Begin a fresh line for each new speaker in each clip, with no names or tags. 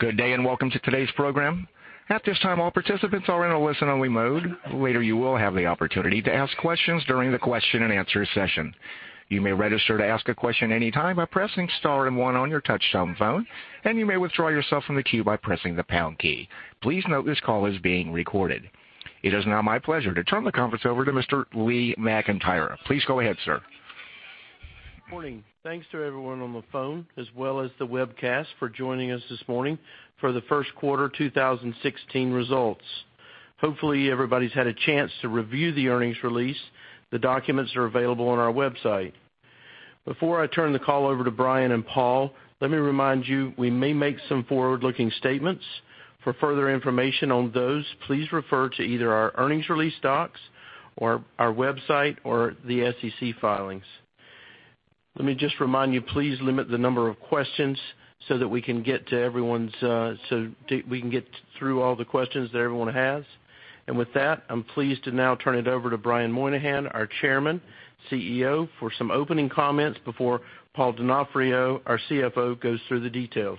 Good day, welcome to today's program. At this time, all participants are in a listen-only mode. Later, you will have the opportunity to ask questions during the question and answer session. You may register to ask a question anytime by pressing star and one on your touchtone phone, and you may withdraw yourself from the queue by pressing the pound key. Please note this call is being recorded. It is now my pleasure to turn the conference over to Mr. Lee McEntire. Please go ahead, sir.
Morning. Thanks to everyone on the phone as well as the webcast for joining us this morning for the first quarter 2016 results. Hopefully, everybody's had a chance to review the earnings release. The documents are available on our website. Before I turn the call over to Brian and Paul, let me remind you, we may make some forward-looking statements. For further information on those, please refer to either our earnings release docs or our website or the SEC filings. Let me just remind you, please limit the number of questions so that we can get through all the questions that everyone has. With that, I'm pleased to now turn it over to Brian Moynihan, our Chairman, CEO, for some opening comments before Paul Donofrio, our CFO, goes through the details.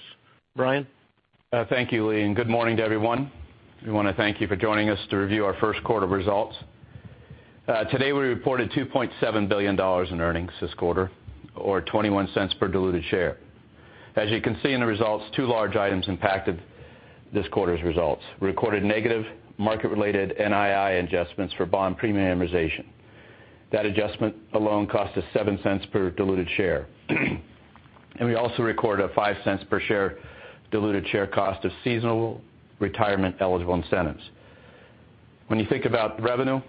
Brian?
Thank you, Lee, good morning to everyone. We want to thank you for joining us to review our first quarter results. Today, we reported $2.7 billion in earnings this quarter or $0.21 per diluted share. As you can see in the results, two large items impacted this quarter's results. Recorded negative market-related NII adjustments for bond premium amortization. That adjustment alone cost us $0.07 per diluted share. We also recorded a $0.05 per share diluted share cost of seasonal retirement-eligible incentives. When you think about revenue,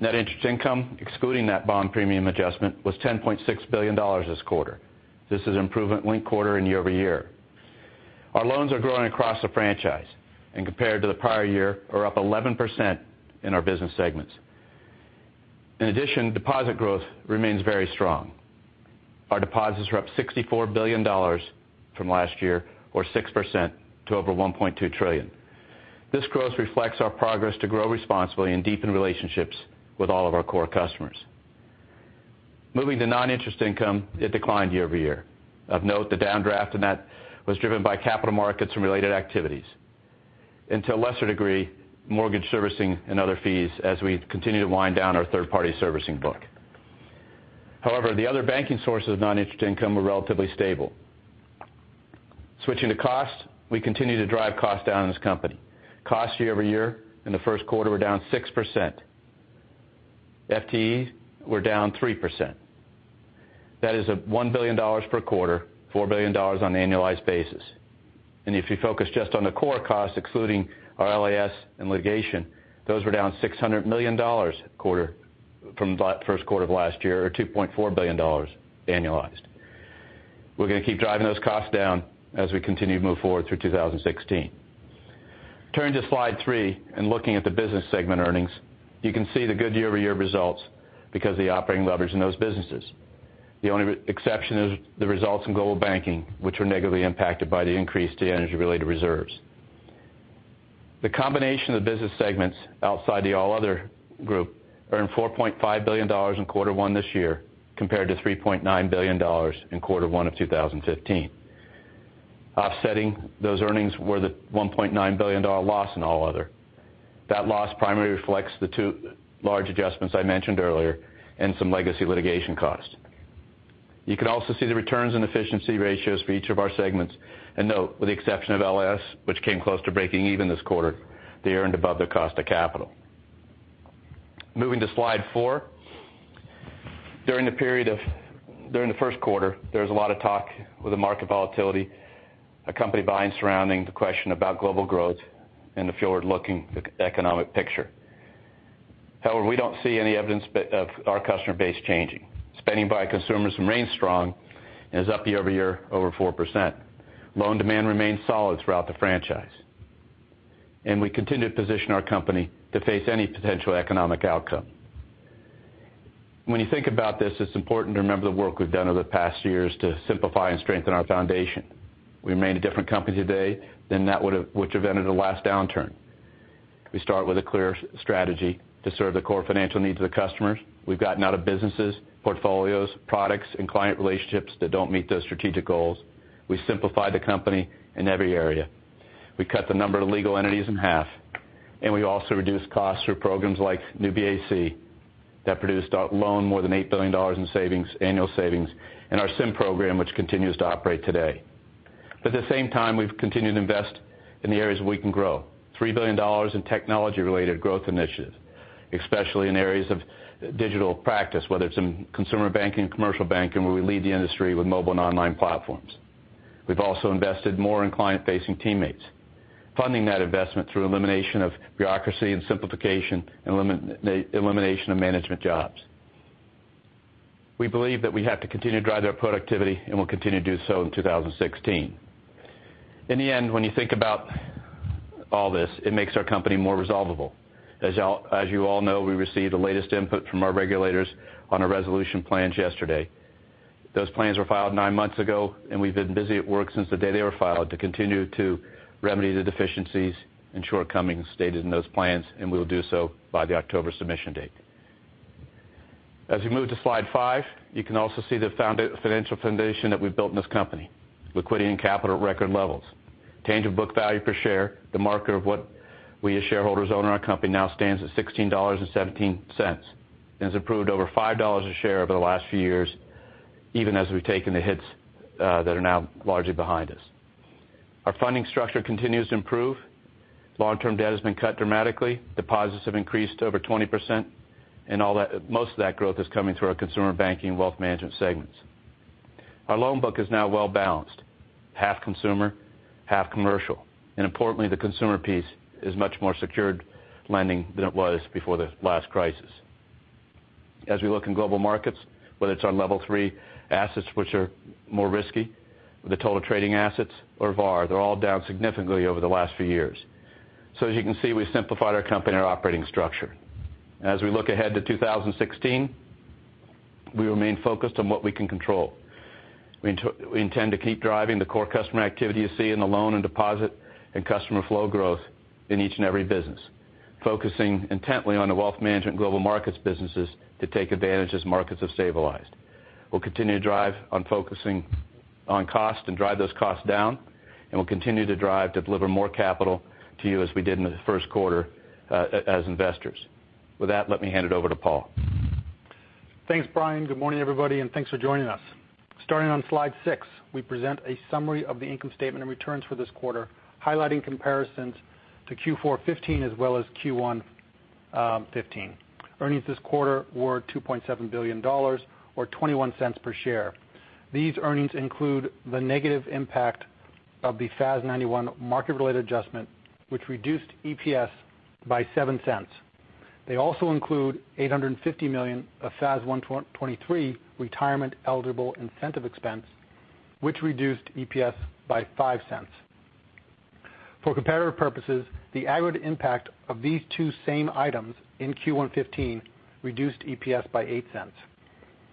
net interest income, excluding that bond premium adjustment, was $10.6 billion this quarter. This is improvement linked quarter and year-over-year. Our loans are growing across the franchise and compared to the prior year, are up 11% in our business segments. In addition, deposit growth remains very strong. Our deposits are up $64 billion from last year or 6% to over 1.2 trillion. This growth reflects our progress to grow responsibly and deepen relationships with all of our core customers. Moving to non-interest income, it declined year-over-year. Of note, the downdraft in that was driven by capital markets and related activities. To a lesser degree, mortgage servicing and other fees as we continue to wind down our third-party servicing book. However, the other banking sources of non-interest income were relatively stable. Switching to cost, we continue to drive cost down in this company. Cost year-over-year in the first quarter were down 6%. FTEs were down 3%. That is a $1 billion per quarter, $4 billion on an annualized basis. If you focus just on the core cost, excluding our LAS and litigation, those were down $600 million from first quarter of last year or $2.4 billion annualized. We're going to keep driving those costs down as we continue to move forward through 2016. Turning to slide three and looking at the business segment earnings, you can see the good year-over-year results because of the operating leverage in those businesses. The only exception is the results in Global Banking, which were negatively impacted by the increase to energy-related reserves. The combination of business segments outside the All Other group earned $4.5 billion in quarter one this year compared to $3.9 billion in quarter one of 2015. Offsetting those earnings were the $1.9 billion loss in All Other. That loss primarily reflects the two large adjustments I mentioned earlier and some legacy litigation costs. You can also see the returns and efficiency ratios for each of our segments and note, with the exception of LAS, which came close to breaking even this quarter, they earned above their cost of capital. Moving to slide four. During the first quarter, there was a lot of talk with the market volatility accompanied by and surrounding the question about global growth and the forward-looking economic picture. We don't see any evidence of our customer base changing. Spending by consumers remains strong and is up year-over-year over 4%. Loan demand remains solid throughout the franchise. We continue to position our company to face any potential economic outcome. When you think about this, it's important to remember the work we've done over the past years to simplify and strengthen our foundation. We remain a different company today than that which have ended the last downturn. We start with a clear strategy to serve the core financial needs of the customers. We've gotten out of businesses, portfolios, products, and client relationships that don't meet those strategic goals. We simplified the company in every area. We cut the number of legal entities in half, we also reduced costs through programs like New BAC that produced alone more than $8 billion in annual savings, and our SIM program, which continues to operate today. At the same time, we've continued to invest in the areas we can grow. $3 billion in technology-related growth initiatives, especially in areas of digital practice, whether it's in Consumer Banking, Commercial Banking, where we lead the industry with mobile and online platforms. We've also invested more in client-facing teammates, funding that investment through elimination of bureaucracy and simplification and elimination of management jobs. We believe that we have to continue to drive that productivity, we'll continue to do so in 2016. In the end, when you think about all this, it makes our company more resolvable. As you all know, we received the latest input from our regulators on our resolution plans yesterday. Those plans were filed nine months ago, we've been busy at work since the day they were filed to continue to remedy the deficiencies and shortcomings stated in those plans, we'll do so by the October submission date. As we move to slide five, you can also see the financial foundation that we've built in this company. Liquidity and capital at record levels. Tangible book value per share, the marker of what we as shareholders own in our company now stands at $16.17 and has improved over $5 a share over the last few years, even as we've taken the hits that are now largely behind us. Our funding structure continues to improve. Long-term debt has been cut dramatically. Deposits have increased to over 20%, and most of that growth is coming through our Consumer Banking and wealth management segments. Our loan book is now well-balanced, half consumer, half commercial, and importantly, the consumer piece is much more secured lending than it was before the last crisis. As we look in global markets, whether it's on level 3 assets which are riskier, the total trading assets or VaR, they're all down significantly over the last few years. As you can see, we've simplified our company and our operating structure. We look ahead to 2016, we remain focused on what we can control. We intend to keep driving the core customer activity you see in the loan and deposit and customer flow growth in each and every business, focusing intently on the wealth management global markets businesses to take advantage as markets have stabilized. We'll continue to drive on focusing on cost and drive those costs down, we'll continue to drive to deliver more capital to you as we did in the first quarter, as investors. With that, let me hand it over to Paul.
Thanks, Brian. Good morning, everybody, thanks for joining us. Starting on slide six, we present a summary of the income statement and returns for this quarter, highlighting comparisons to Q4 2015 as well as Q1 2015. Earnings this quarter were $2.7 billion, or $0.21 per share. These earnings include the negative impact of the FAS 91 market-related adjustment, which reduced EPS by $0.07. They also include $850 million of FAS 123 retirement-eligible incentive expense, which reduced EPS by $0.05. For comparative purposes, the aggregate impact of these two same items in Q1 2015 reduced EPS by $0.08.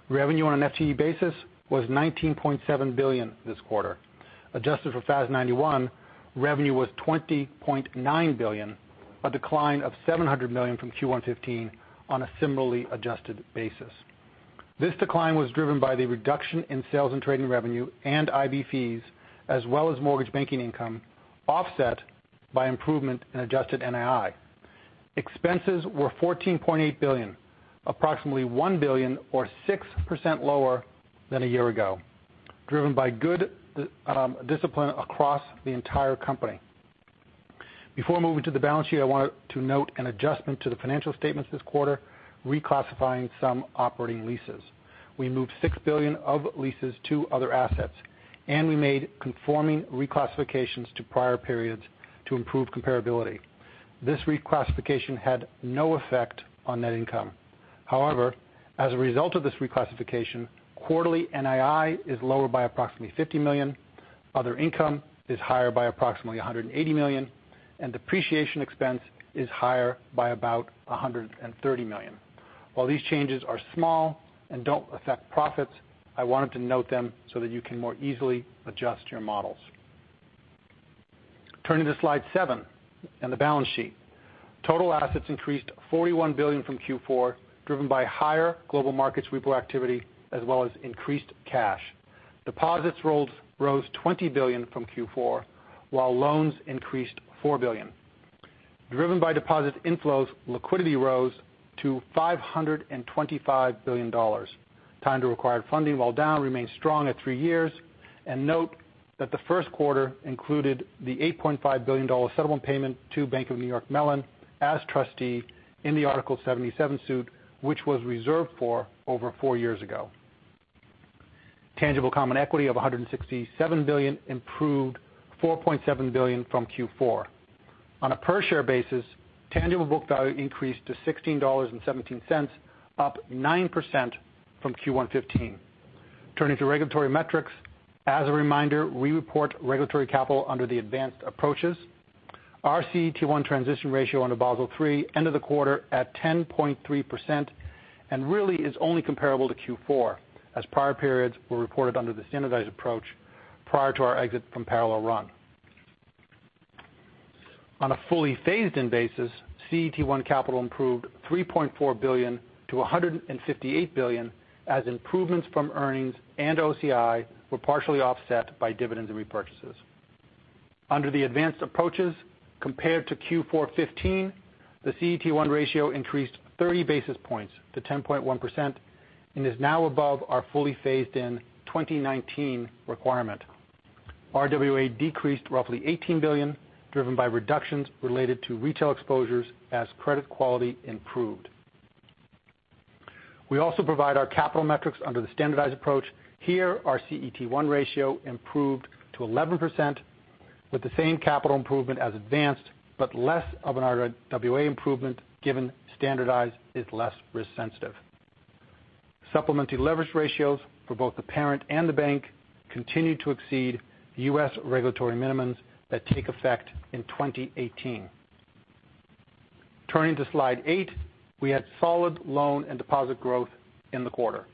Revenue on an FTE basis was $19.7 billion this quarter. Adjusted for FAS 91, revenue was $20.9 billion, a decline of $700 million from Q1 2015 on a similarly adjusted basis. This decline was driven by the reduction in sales and trading revenue and IB fees, as well as mortgage banking income, offset by improvement in adjusted NII. Expenses were $14.8 billion, approximately $1 billion or 6% lower than a year ago, driven by good discipline across the entire company. Before moving to the balance sheet, I wanted to note an adjustment to the financial statements this quarter, reclassifying some operating leases. We moved $6 billion of leases to other assets, and we made conforming reclassifications to prior periods to improve comparability. This reclassification had no effect on net income. However, as a result of this reclassification, quarterly NII is lower by approximately $50 million, other income is higher by approximately $180 million, and depreciation expense is higher by about $130 million. While these changes are small and don't affect profits, I wanted to note them so that you can more easily adjust your models. Turning to slide seven and the balance sheet. Total assets increased $41 billion from Q4, driven by higher global markets repo activity, as well as increased cash. Deposits rose $20 billion from Q4, while loans increased $4 billion. Driven by deposit inflows, liquidity rose to $525 billion. Time to required funding, while down, remains strong at three years. Note that the first quarter included the $8.5 billion settlement payment to The Bank of New York Mellon as trustee in the Article 77 suit, which was reserved for over four years ago. Tangible common equity of $167 billion improved $4.7 billion from Q4. On a per-share basis, tangible book value increased to $16.17, up 9% from Q1 2015. Turning to regulatory metrics, as a reminder, we report regulatory capital under the advanced approaches. Our CET1 transition ratio under Basel III end of the quarter at 10.3% and really is only comparable to Q4, as prior periods were reported under the standardized approach prior to our exit from parallel run. On a fully phased-in basis, CET1 capital improved $3.4 billion to $158 billion as improvements from earnings and OCI were partially offset by dividends and repurchases. Under the advanced approaches, compared to Q4 2015, the CET1 ratio increased 30 basis points to 10.1% and is now above our fully phased-in 2019 requirement. RWA decreased roughly $18 billion, driven by reductions related to retail exposures as credit quality improved. We also provide our capital metrics under the standardized approach. Here, our CET1 ratio improved to 11% with the same capital improvement as advanced, but less of an RWA improvement, given standardized is less risk sensitive. Supplementary leverage ratios for both the parent and the bank continued to exceed the U.S. regulatory minimums that take effect in 2018. Turning to slide eight, we had solid loan and deposit growth in the quarter.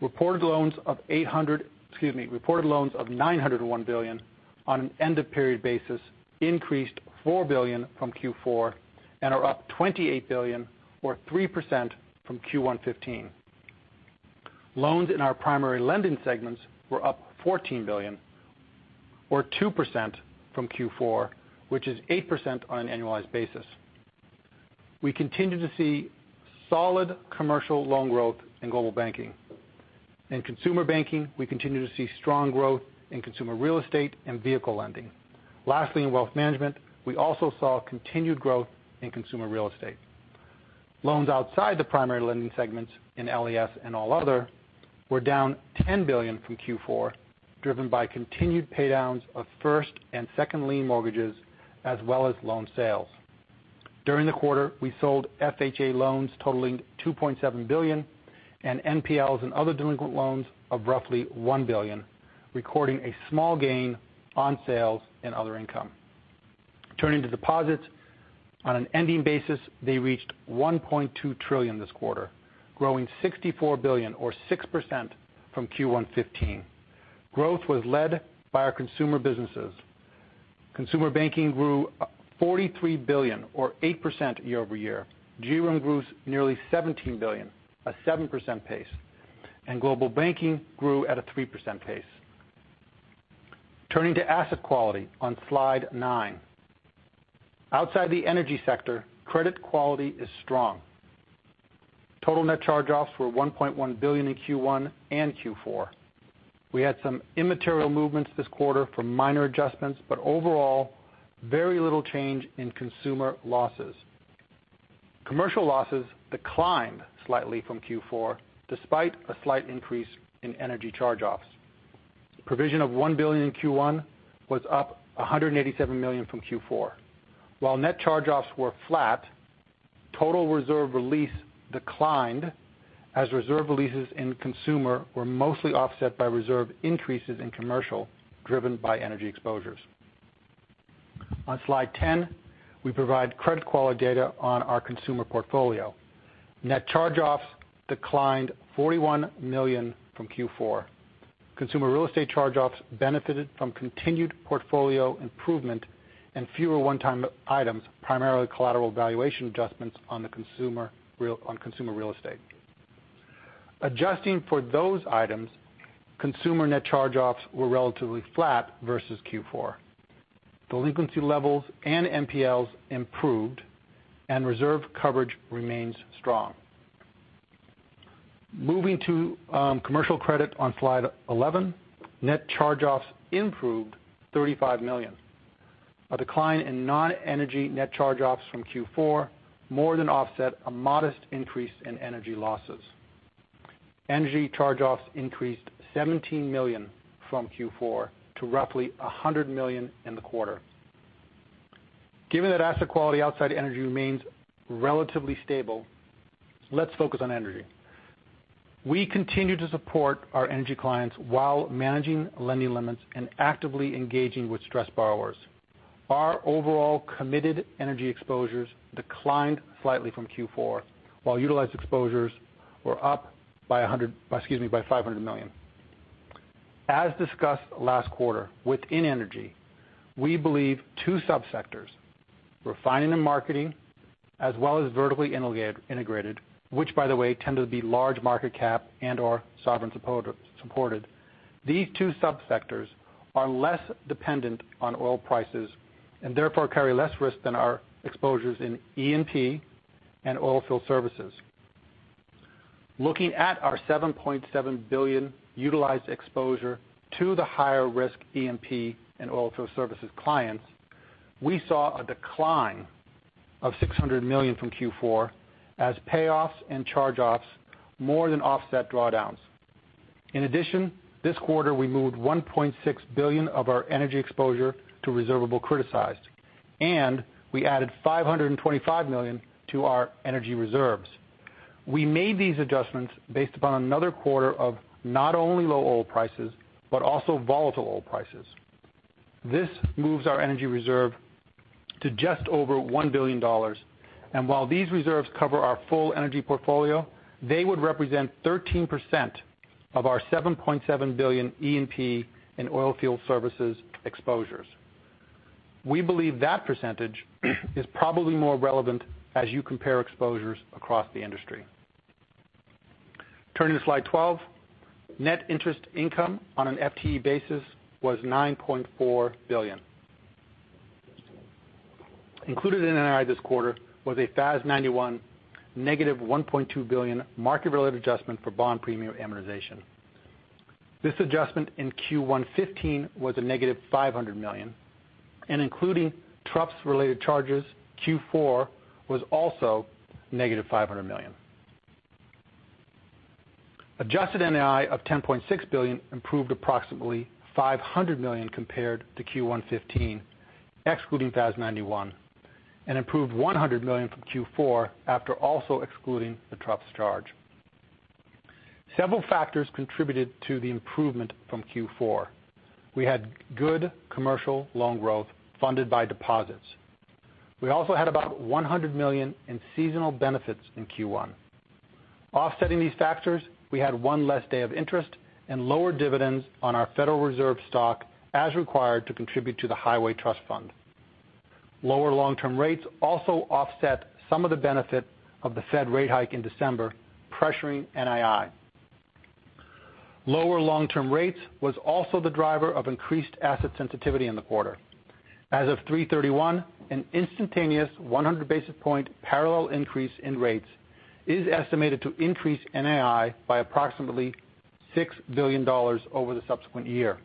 Reported loans of, excuse me, reported loans of $901 billion on an end-of-period basis increased $4 billion from Q4 and are up $28 billion or 3% from Q1 2015. Loans in our primary lending segments were up $14 billion or 2% from Q4, which is 8% on an annualized basis. We continue to see solid commercial loan growth in Global Banking. In Consumer Banking, we continue to see strong growth in consumer real estate and vehicle lending. Lastly, in Wealth Management, we also saw continued growth in consumer real estate. Loans outside the primary lending segments in LAS and All Other were down $10 billion from Q4, driven by continued pay-downs of first and second lien mortgages, as well as loan sales. During the quarter, we sold FHA loans totaling $2.7 billion, and NPLs and other delinquent loans of roughly $1 billion, recording a small gain on sales and other income. Turning to deposits. On an ending basis, they reached $1.2 trillion this quarter, growing $64 billion or 6% from Q1 2015. Growth was led by our consumer businesses. Consumer Banking grew $43 billion or 8% year-over-year. GWM grew nearly $17 billion, a 7% pace, and Global Banking grew at a 3% pace. Turning to asset quality on slide nine. Outside the energy sector, credit quality is strong. Total net charge-offs were $1.1 billion in Q1 and Q4. We had some immaterial movements this quarter from minor adjustments, but overall, very little change in consumer losses. Commercial losses declined slightly from Q4, despite a slight increase in energy charge-offs. Provision of $1 billion in Q1 was up $187 million from Q4. While net charge-offs were flat, total reserve release declined as reserve releases in consumer were mostly offset by reserve increases in commercial, driven by energy exposures. On slide 10, we provide credit quality data on our consumer portfolio. Net charge-offs declined $41 million from Q4. Consumer real estate charge-offs benefited from continued portfolio improvement and fewer one-time items, primarily collateral valuation adjustments on consumer real estate. Adjusting for those items, consumer net charge-offs were relatively flat versus Q4. Delinquency levels and NPLs improved, and reserve coverage remains strong. Moving to commercial credit on slide 11. Net charge-offs improved $35 million. A decline in non-energy net charge-offs from Q4 more than offset a modest increase in energy losses. Energy charge-offs increased $17 million from Q4 to roughly $100 million in the quarter. Given that asset quality outside energy remains relatively stable, let's focus on energy. We continue to support our energy clients while managing lending limits and actively engaging with stressed borrowers. Our overall committed energy exposures declined slightly from Q4, while utilized exposures were up, excuse me, by $500 million. As discussed last quarter, within energy, we believe two subsectors, refining and marketing, as well as vertically integrated, which by the way, tend to be large market cap and/or sovereign supported. These two subsectors are less dependent on oil prices, and therefore carry less risk than our exposures in E&P and oilfield services. Looking at our $7.7 billion utilized exposure to the higher-risk E&P and oilfield services clients, we saw a decline of $600 million from Q4 as payoffs and charge-offs more than offset drawdowns. In addition, this quarter, we moved $1.6 billion of our energy exposure to reservable criticized, and we added $525 million to our energy reserves. We made these adjustments based upon another quarter of not only low oil prices, but also volatile oil prices. This moves our energy reserve to just over $1 billion. While these reserves cover our full energy portfolio, they would represent 13% of our $7.7 billion E&P in oilfield services exposures. We believe that percentage is probably more relevant as you compare exposures across the industry. Turning to slide 12. Net interest income on an FTE basis was $9.4 billion. Included in NII this quarter was a FAS 91 negative $1.2 billion market-related adjustment for bond premium amortization. This adjustment in Q1 2015 was a negative $500 million, and including TRUPS-related charges, Q4 was also negative $500 million. Adjusted NII of $10.6 billion improved approximately $500 million compared to Q1 2015, excluding FAS 91, and improved $100 million from Q4 after also excluding the TRUPS charge. Several factors contributed to the improvement from Q4. We had good commercial loan growth funded by deposits. We also had about $100 million in seasonal benefits in Q1. Offsetting these factors, we had one less day of interest and lower dividends on our Federal Reserve stock, as required to contribute to the Highway Trust Fund. Lower long-term rates also offset some of the benefit of the Fed rate hike in December, pressuring NII. Lower long-term rates was also the driver of increased asset sensitivity in the quarter. As of 3/31, an instantaneous 100 basis points parallel increase in rates is estimated to increase NII by approximately $6 billion over the subsequent year.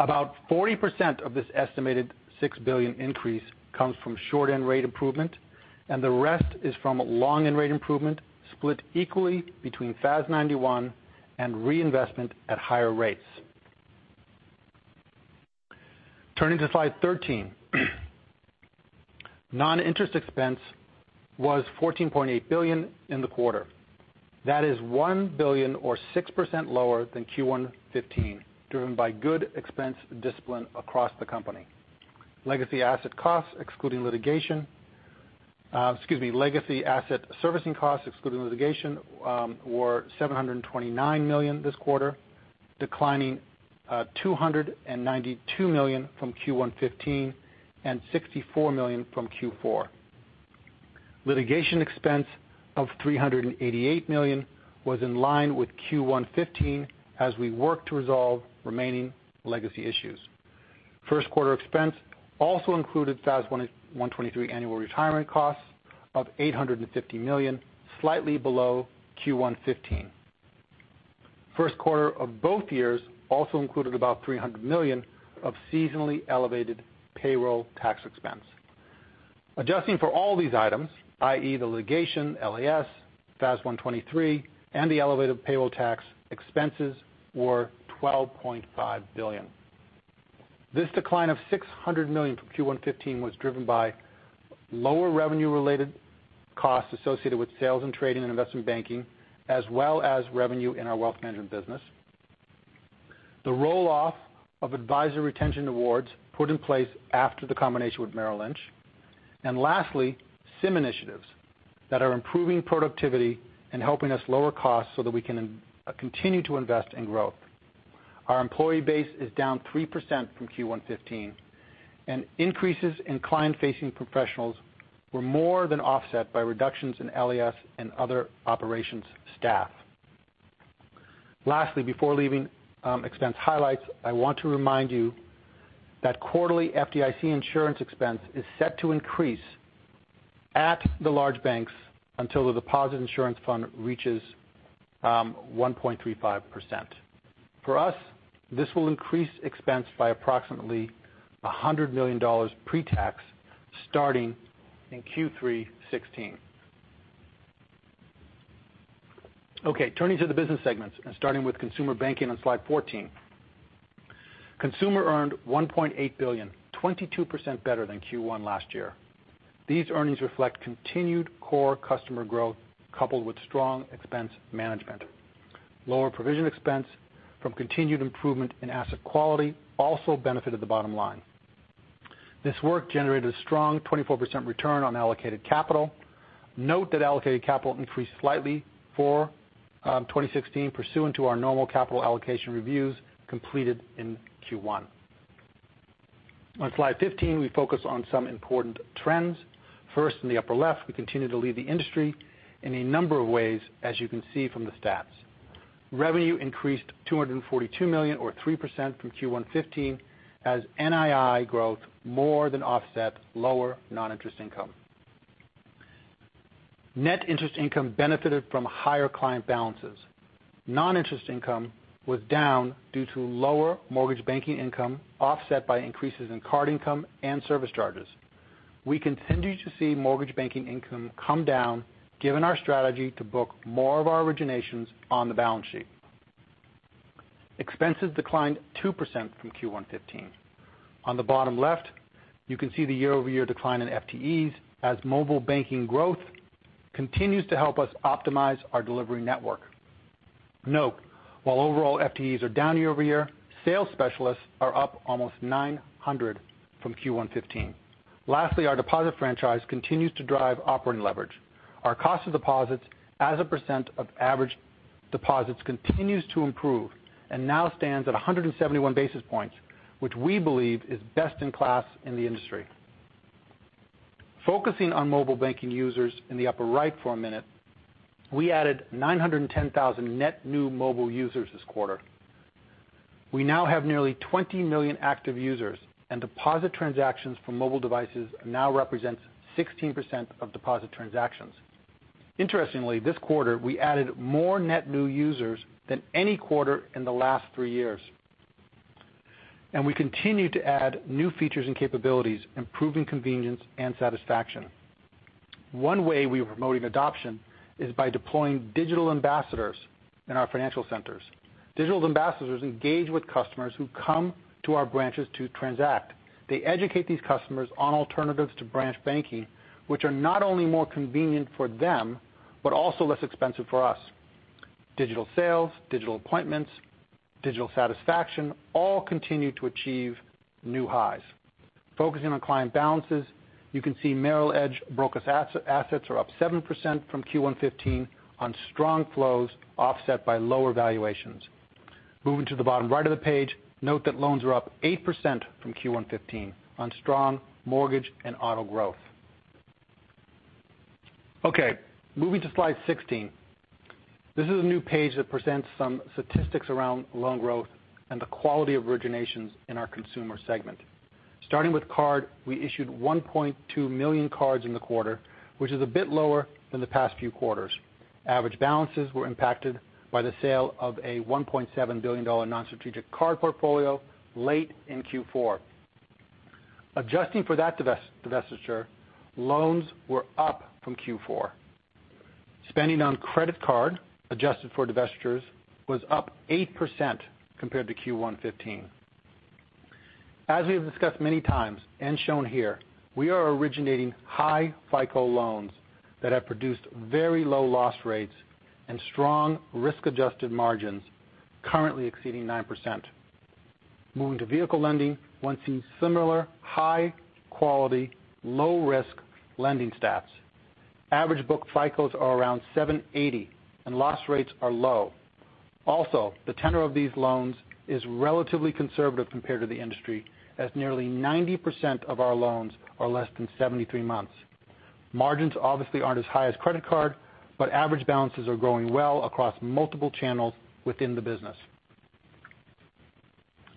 About 40% of this estimated $6 billion increase comes from short-end rate improvement, and the rest is from long-end rate improvement, split equally between FAS 91 and reinvestment at higher rates. Turning to slide 13. Non-interest expense was $14.8 billion in the quarter. That is $1 billion, or 6%, lower than Q1 2015, driven by good expense discipline across the company. Legacy asset servicing costs, excluding litigation, were $729 million this quarter, declining $292 million from Q1 2015 and $64 million from Q4. Litigation expense of $388 million was in line with Q1 2015 as we work to resolve remaining legacy issues. First quarter expense also included FAS 123 annual retirement costs of $850 million, slightly below Q1 2015. First quarter of both years also included about $300 million of seasonally elevated payroll tax expense. Adjusting for all these items, i.e. the litigation, LAS, FAS 123, and the elevated payroll tax expenses, were $12.5 billion. This decline of $600 million from Q1 2015 was driven by lower revenue-related costs associated with sales and trading and investment banking, as well as revenue in our wealth management business. The roll-off of advisory retention awards put in place after the combination with Merrill Lynch. Lastly, SIM initiatives that are improving productivity and helping us lower costs so that we can continue to invest in growth. Our employee base is down 3% from Q1 2015, and increases in client-facing professionals were more than offset by reductions in LAS and other operations staff. Lastly, before leaving expense highlights, I want to remind you that quarterly FDIC insurance expense is set to increase at the large banks until the deposit insurance fund reaches 1.35%. For us, this will increase expense by approximately $100 million pre-tax, starting in Q3 2016. Turning to the business segments and starting with Consumer Banking on slide 14. Consumer earned $1.8 billion, 22% better than Q1 last year. These earnings reflect continued core customer growth coupled with strong expense management. Lower provision expense from continued improvement in asset quality also benefited the bottom line. This work generated a strong 24% return on allocated capital. Note that allocated capital increased slightly for 2016 pursuant to our normal capital allocation reviews completed in Q1. On slide 15, we focus on some important trends. First, in the upper left, we continue to lead the industry in a number of ways, as you can see from the stats. Revenue increased $242 million or 3% from Q1 2015 as NII growth more than offset lower non-interest income. Net interest income benefited from higher client balances. Non-interest income was down due to lower mortgage banking income offset by increases in card income and service charges. We continue to see mortgage banking income come down given our strategy to book more of our originations on the balance sheet. Expenses declined 2% from Q1 2015. On the bottom left, you can see the year-over-year decline in FTEs as mobile banking growth continues to help us optimize our delivery network. Note, while overall FTEs are down year-over-year, sales specialists are up almost 900 from Q1 2015. Lastly, our deposit franchise continues to drive operating leverage. Our cost of deposits as a percent of average deposits continues to improve and now stands at 171 basis points, which we believe is best in class in the industry. Focusing on mobile banking users in the upper right for a minute, we added 910,000 net new mobile users this quarter. We now have nearly 20 million active users, and deposit transactions from mobile devices now represents 16% of deposit transactions. Interestingly, this quarter, we added more net new users than any quarter in the last three years. We continue to add new features and capabilities, improving convenience and satisfaction. One way we are promoting adoption is by deploying digital ambassadors in our financial centers. Digital ambassadors engage with customers who come to our branches to transact. They educate these customers on alternatives to branch banking, which are not only more convenient for them but also less expensive for us. Digital sales, digital appointments, digital satisfaction, all continue to achieve new highs. Focusing on client balances, you can see Merrill Edge broker assets are up 7% from Q1 2015 on strong flows offset by lower valuations. Moving to the bottom right of the page, note that loans are up 8% from Q1 2015 on strong mortgage and auto growth. Moving to slide 16. This is a new page that presents some statistics around loan growth and the quality of originations in our consumer segment. Starting with card, we issued 1.2 million cards in the quarter, which is a bit lower than the past few quarters. Average balances were impacted by the sale of a $1.7 billion non-strategic card portfolio late in Q4. Adjusting for that divestiture, loans were up from Q4. Spending on credit card, adjusted for divestitures, was up 8% compared to Q1 2015. As we have discussed many times, and shown here, we are originating high FICO loans that have produced very low loss rates and strong risk-adjusted margins, currently exceeding 9%. Moving to vehicle lending, one sees similar high-quality, low-risk lending stats. Average book FICOs are around 780, and loss rates are low. Also, the tenor of these loans is relatively conservative compared to the industry, as nearly 90% of our loans are less than 73 months. Margins obviously aren't as high as credit card, but average balances are growing well across multiple channels within the business.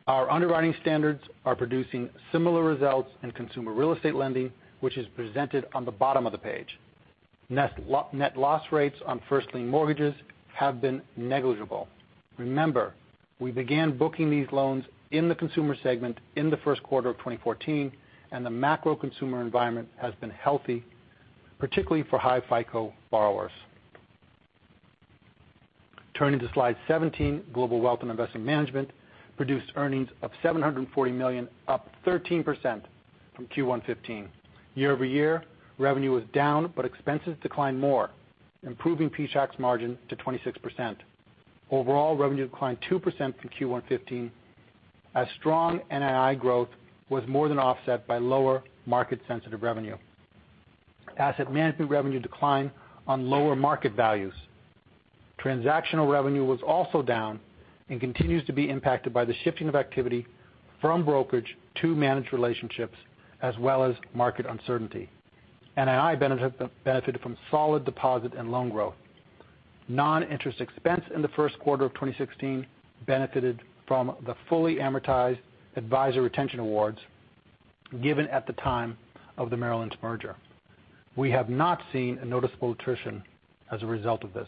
Our underwriting standards are producing similar results in consumer real estate lending, which is presented on the bottom of the page. Net loss rates on first-lien mortgages have been negligible. Remember, we began booking these loans in the consumer segment in the first quarter of 2014, and the macro consumer environment has been healthy, particularly for high FICO borrowers. Turning to slide 17, Global Wealth and Investment Management produced earnings of $740 million, up 13% from Q1 2015. Year-over-year, revenue was down, but expenses declined more, improving PTPP's margin to 26%. Overall, revenue declined 2% from Q1 2015, as strong NII growth was more than offset by lower market-sensitive revenue. Asset management revenue declined on lower market values. Transactional revenue was also down and continues to be impacted by the shifting of activity from brokerage to managed relationships, as well as market uncertainty. NII benefited from solid deposit and loan growth. Non-interest expense in the first quarter of 2016 benefited from the fully amortized advisor retention awards given at the time of the Merrill Lynch merger. We have not seen a noticeable attrition as a result of this.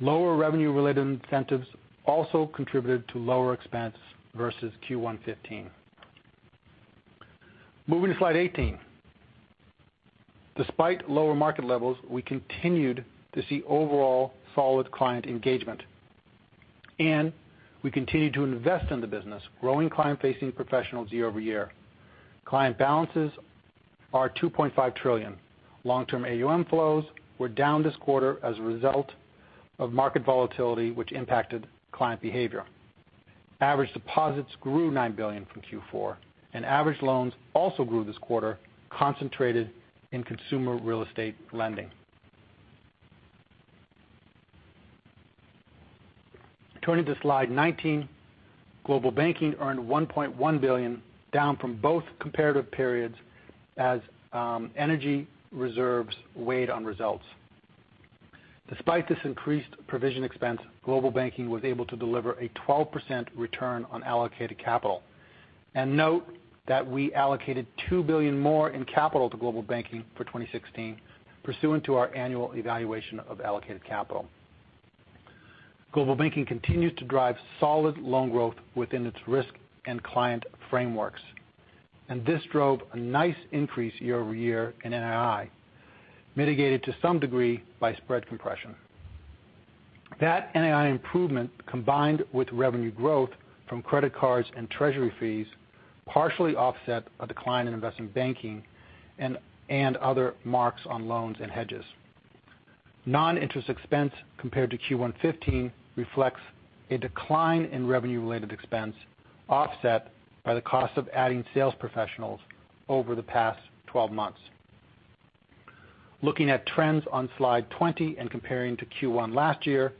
Lower revenue-related incentives also contributed to lower expense versus Q1 2015. Moving to slide 18. Despite lower market levels, we continued to see overall solid client engagement. We continued to invest in the business, growing client-facing professionals year over year. Client balances are $2.5 trillion. Long-term AUM flows were down this quarter as a result of market volatility which impacted client behavior. Average deposits grew $9 billion from Q4, and average loans also grew this quarter, concentrated in consumer real estate lending. Turning to slide 19. Global Banking earned $1.1 billion, down from both comparative periods as energy reserves weighed on results. Despite this increased provision expense, Global Banking was able to deliver a 12% return on allocated capital. Note that we allocated $2 billion more in capital to Global Banking for 2016 pursuant to our annual evaluation of allocated capital. Global Banking continues to drive solid loan growth within its risk and client frameworks. This drove a nice increase year over year in NII, mitigated to some degree by spread compression. That NII improvement, combined with revenue growth from credit cards and treasury fees, partially offset a decline in investment banking and other marks on loans and hedges. Non-interest expense compared to Q1 2015 reflects a decline in revenue-related expense offset by the cost of adding sales professionals over the past 12 months. Looking at trends on slide 20 and comparing to Q1 last year,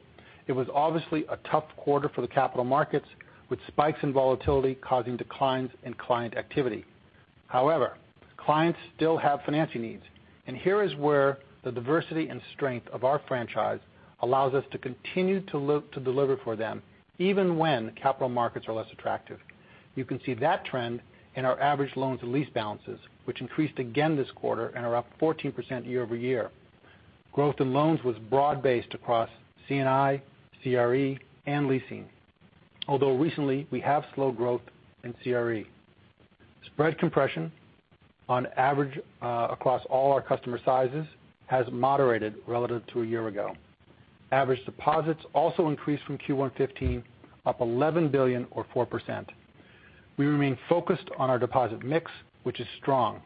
it was obviously a tough quarter for the capital markets, with spikes in volatility causing declines in client activity. Clients still have financing needs, and here is where the diversity and strength of our franchise allows us to continue to deliver for them even when capital markets are less attractive. You can see that trend in our average loans and lease balances, which increased again this quarter and are up 14% year over year. Growth in loans was broad-based across C&I, CRE, and leasing. Although recently, we have slow growth in CRE. Spread compression on average across all our customer sizes has moderated relative to a year ago. Average deposits also increased from Q1 2015, up $11 billion or 4%. We remain focused on our deposit mix, which is strong.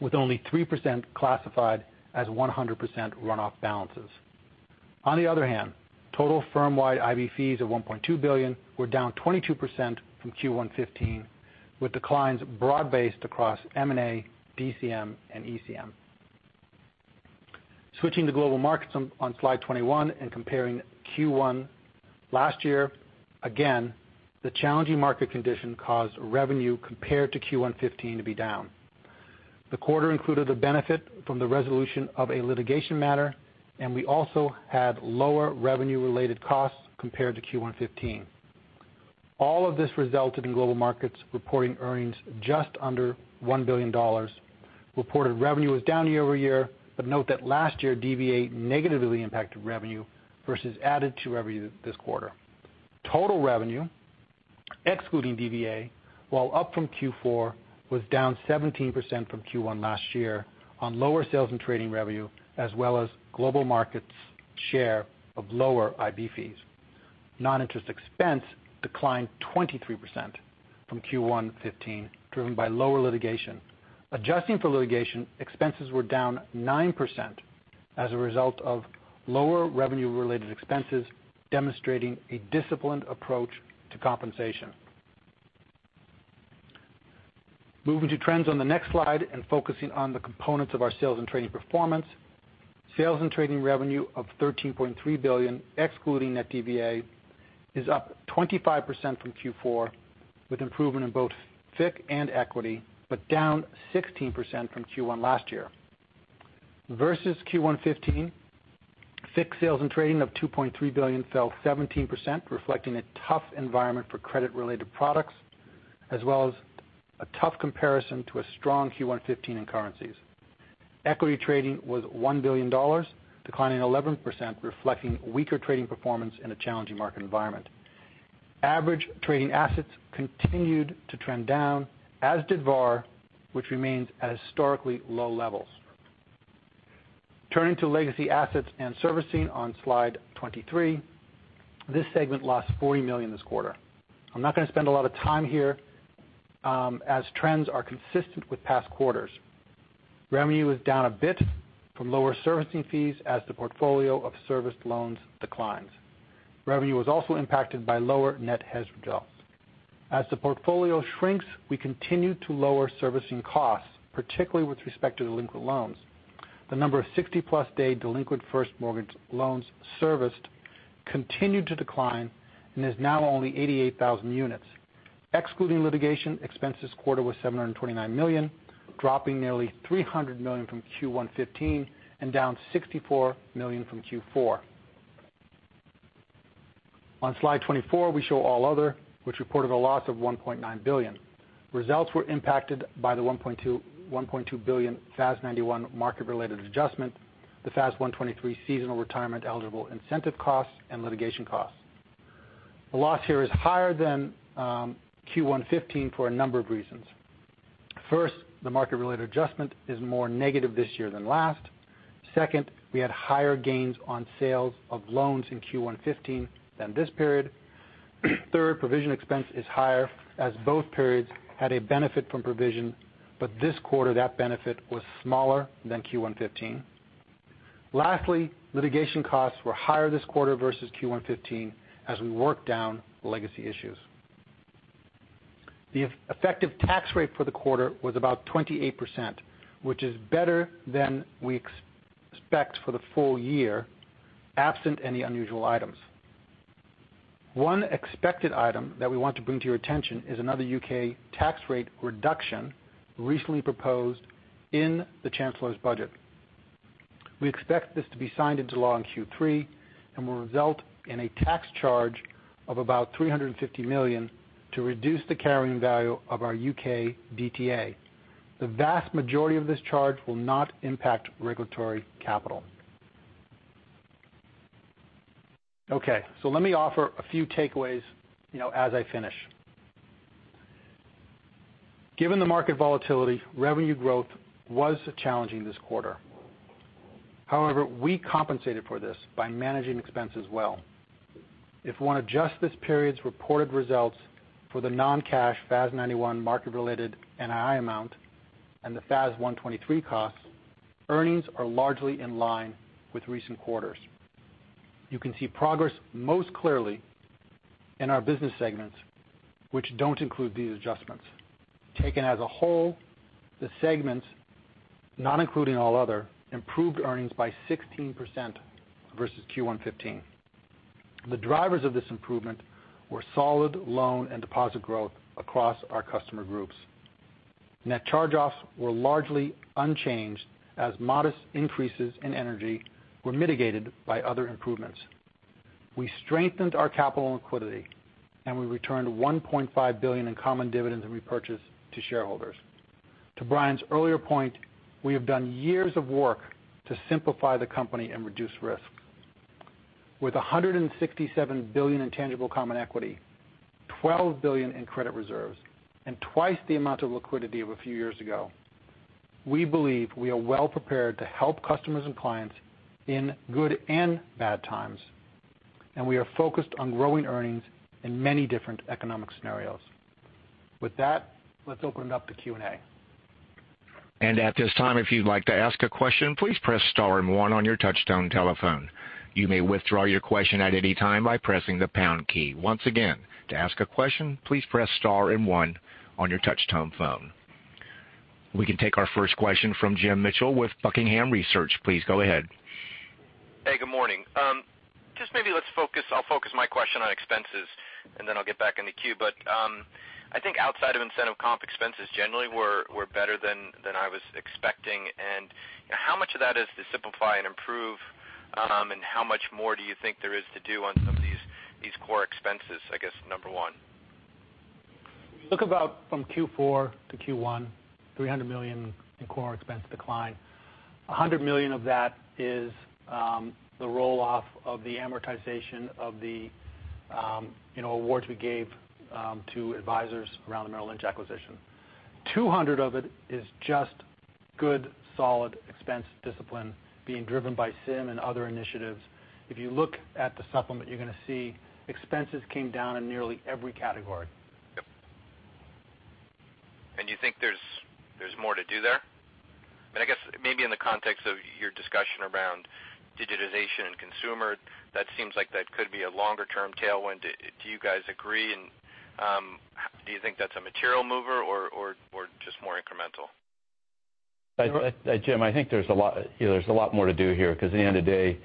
With only 3% classified as 100% runoff balances. Total firm-wide IB fees of $1.2 billion were down 22% from Q1 2015, with declines broad-based across M&A, DCM, and ECM. Switching to global markets on slide 21 and comparing Q1 last year, again, the challenging market condition caused revenue compared to Q1 2015 to be down. The quarter included the benefit from the resolution of a litigation matter. We also had lower revenue-related costs compared to Q1 2015. All of this resulted in global markets reporting earnings just under $1 billion. Reported revenue was down year over year. Note that last year, DVA negatively impacted revenue versus added to revenue this quarter. Total revenue, excluding DVA, while up from Q4, was down 17% from Q1 last year on lower sales and trading revenue, as well as global markets' share of lower IB fees. Non-interest expense declined 23% from Q1 2015, driven by lower litigation. Adjusting for litigation, expenses were down 9% as a result of lower revenue-related expenses, demonstrating a disciplined approach to compensation. Moving to trends on the next slide and focusing on the components of our sales and trading performance. Sales and trading revenue of $13.3 billion, excluding net DVA, is up 25% from Q4, with improvement in both FIC and equity, but down 16% from Q1 last year. Versus Q1 2015, FIC sales and trading of $2.3 billion fell 17%, reflecting a tough environment for credit-related products, as well as a tough comparison to a strong Q1 2015 in currencies. Equity trading was $1 billion, declining 11%, reflecting weaker trading performance in a challenging market environment. Average trading assets continued to trend down, as did VaR, which remains at historically low levels. Turning to Legacy Assets and Servicing on slide 23. This segment lost $40 million this quarter. I'm not going to spend a lot of time here, as trends are consistent with past quarters. Revenue was down a bit from lower servicing fees as the portfolio of serviced loans declines. Revenue was also impacted by lower net hedge results. As the portfolio shrinks, we continue to lower servicing costs, particularly with respect to delinquent loans. The number of 60-plus day delinquent first mortgage loans serviced continued to decline and is now only 88,000 units. Excluding litigation, expense this quarter was $729 million, dropping nearly $300 million from Q1 2015 and down $64 million from Q4. On slide 24, we show All Other, which reported a loss of $1.9 billion. Results were impacted by the $1.2 billion FAS 91 market-related adjustment, the FAS 123 seasonal retirement eligible incentive costs, and litigation costs. The loss here is higher than Q1 2015 for a number of reasons. First, the market-related adjustment is more negative this year than last. Second, we had higher gains on sales of loans in Q1 2015 than this period. Third, provision expense is higher as both periods had a benefit from provision. This quarter, that benefit was smaller than Q1 2015. Lastly, litigation costs were higher this quarter versus Q1 2015 as we worked down legacy issues. The effective tax rate for the quarter was about 28%, which is better than we expect for the full year, absent any unusual items. One expected item that we want to bring to your attention is another U.K. tax rate reduction recently proposed in the Chancellor's budget. We expect this to be signed into law in Q3 and will result in a tax charge of about $350 million to reduce the carrying value of our U.K. DTA. The vast majority of this charge will not impact regulatory capital. Let me offer a few takeaways as I finish. Given the market volatility, revenue growth was challenging this quarter. However, we compensated for this by managing expenses well. If we want to adjust this period's reported results for the non-cash FAS 91 market-related NII amount and the FAS 123 costs, earnings are largely in line with recent quarters. You can see progress most clearly in our business segments, which don't include these adjustments. Taken as a whole, the segments, not including All Other, improved earnings by 16% versus Q1 2015. The drivers of this improvement were solid loan and deposit growth across our customer groups. Net charge-offs were largely unchanged as modest increases in energy were mitigated by other improvements. We strengthened our capital liquidity, and we returned $1.5 billion in common dividends and repurchase to shareholders. To Brian's earlier point, we have done years of work to simplify the company and reduce risk. With $167 billion in tangible common equity, $12 billion in credit reserves, and twice the amount of liquidity of a few years ago, we believe we are well prepared to help customers and clients in good and bad times. We are focused on growing earnings in many different economic scenarios. With that, let's open it up to Q&A.
At this time, if you'd like to ask a question, please press star and one on your touchtone telephone. You may withdraw your question at any time by pressing the pound key. Once again, to ask a question, please press star and one on your touchtone phone. We can take our first question from Jim Mitchell with Buckingham Research. Please go ahead.
Hey, good morning. Just maybe I'll focus my question on expenses, then I'll get back in the queue. I think outside of incentive comp expenses, generally we're better than I was expecting. How much of that is to simplify and improve, and how much more do you think there is to do on some of these core expenses? I guess, number one.
Look about from Q4 to Q1, $300 million in core expense decline. $100 million of that is the roll-off of the amortization of the awards we gave to advisors around the Merrill Lynch acquisition. $200 million of it is just good, solid expense discipline being driven by SIM and other initiatives. If you look at the supplement, you're going to see expenses came down in nearly every category.
Yep. You think there's more to do there? I guess maybe in the context of your discussion around digitization and consumer, that seems like that could be a longer-term tailwind. Do you guys agree, and do you think that's a material mover or just more incremental?
Jim, I think there's a lot more to do here because at the end of the day,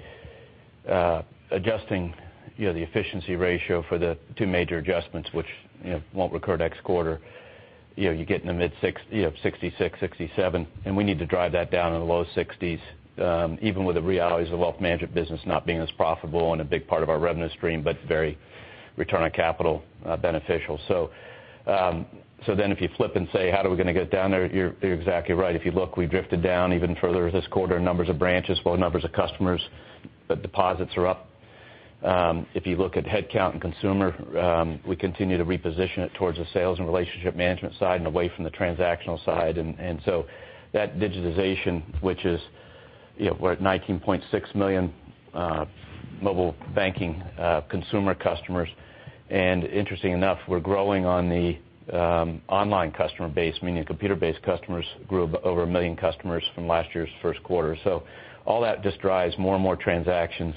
adjusting the efficiency ratio for the two major adjustments, which won't recur next quarter, you're getting to mid-66%, 67%. We need to drive that down in the low 60s%, even with the realities of the wealth management business not being as profitable and a big part of our revenue stream, but very return on capital beneficial. If you flip and say, "How are we going to get down there?" You're exactly right. If you look, we drifted down even further this quarter in numbers of branches, low numbers of customers, but deposits are up. If you look at headcount and consumer, we continue to reposition it towards the sales and relationship management side and away from the transactional side. That digitization, which is we're at 19.6 million mobile banking consumer customers. Interesting enough, we're growing on the online customer base, meaning computer-based customers grew over 1 million customers from last year's first quarter. All that just drives more and more transactions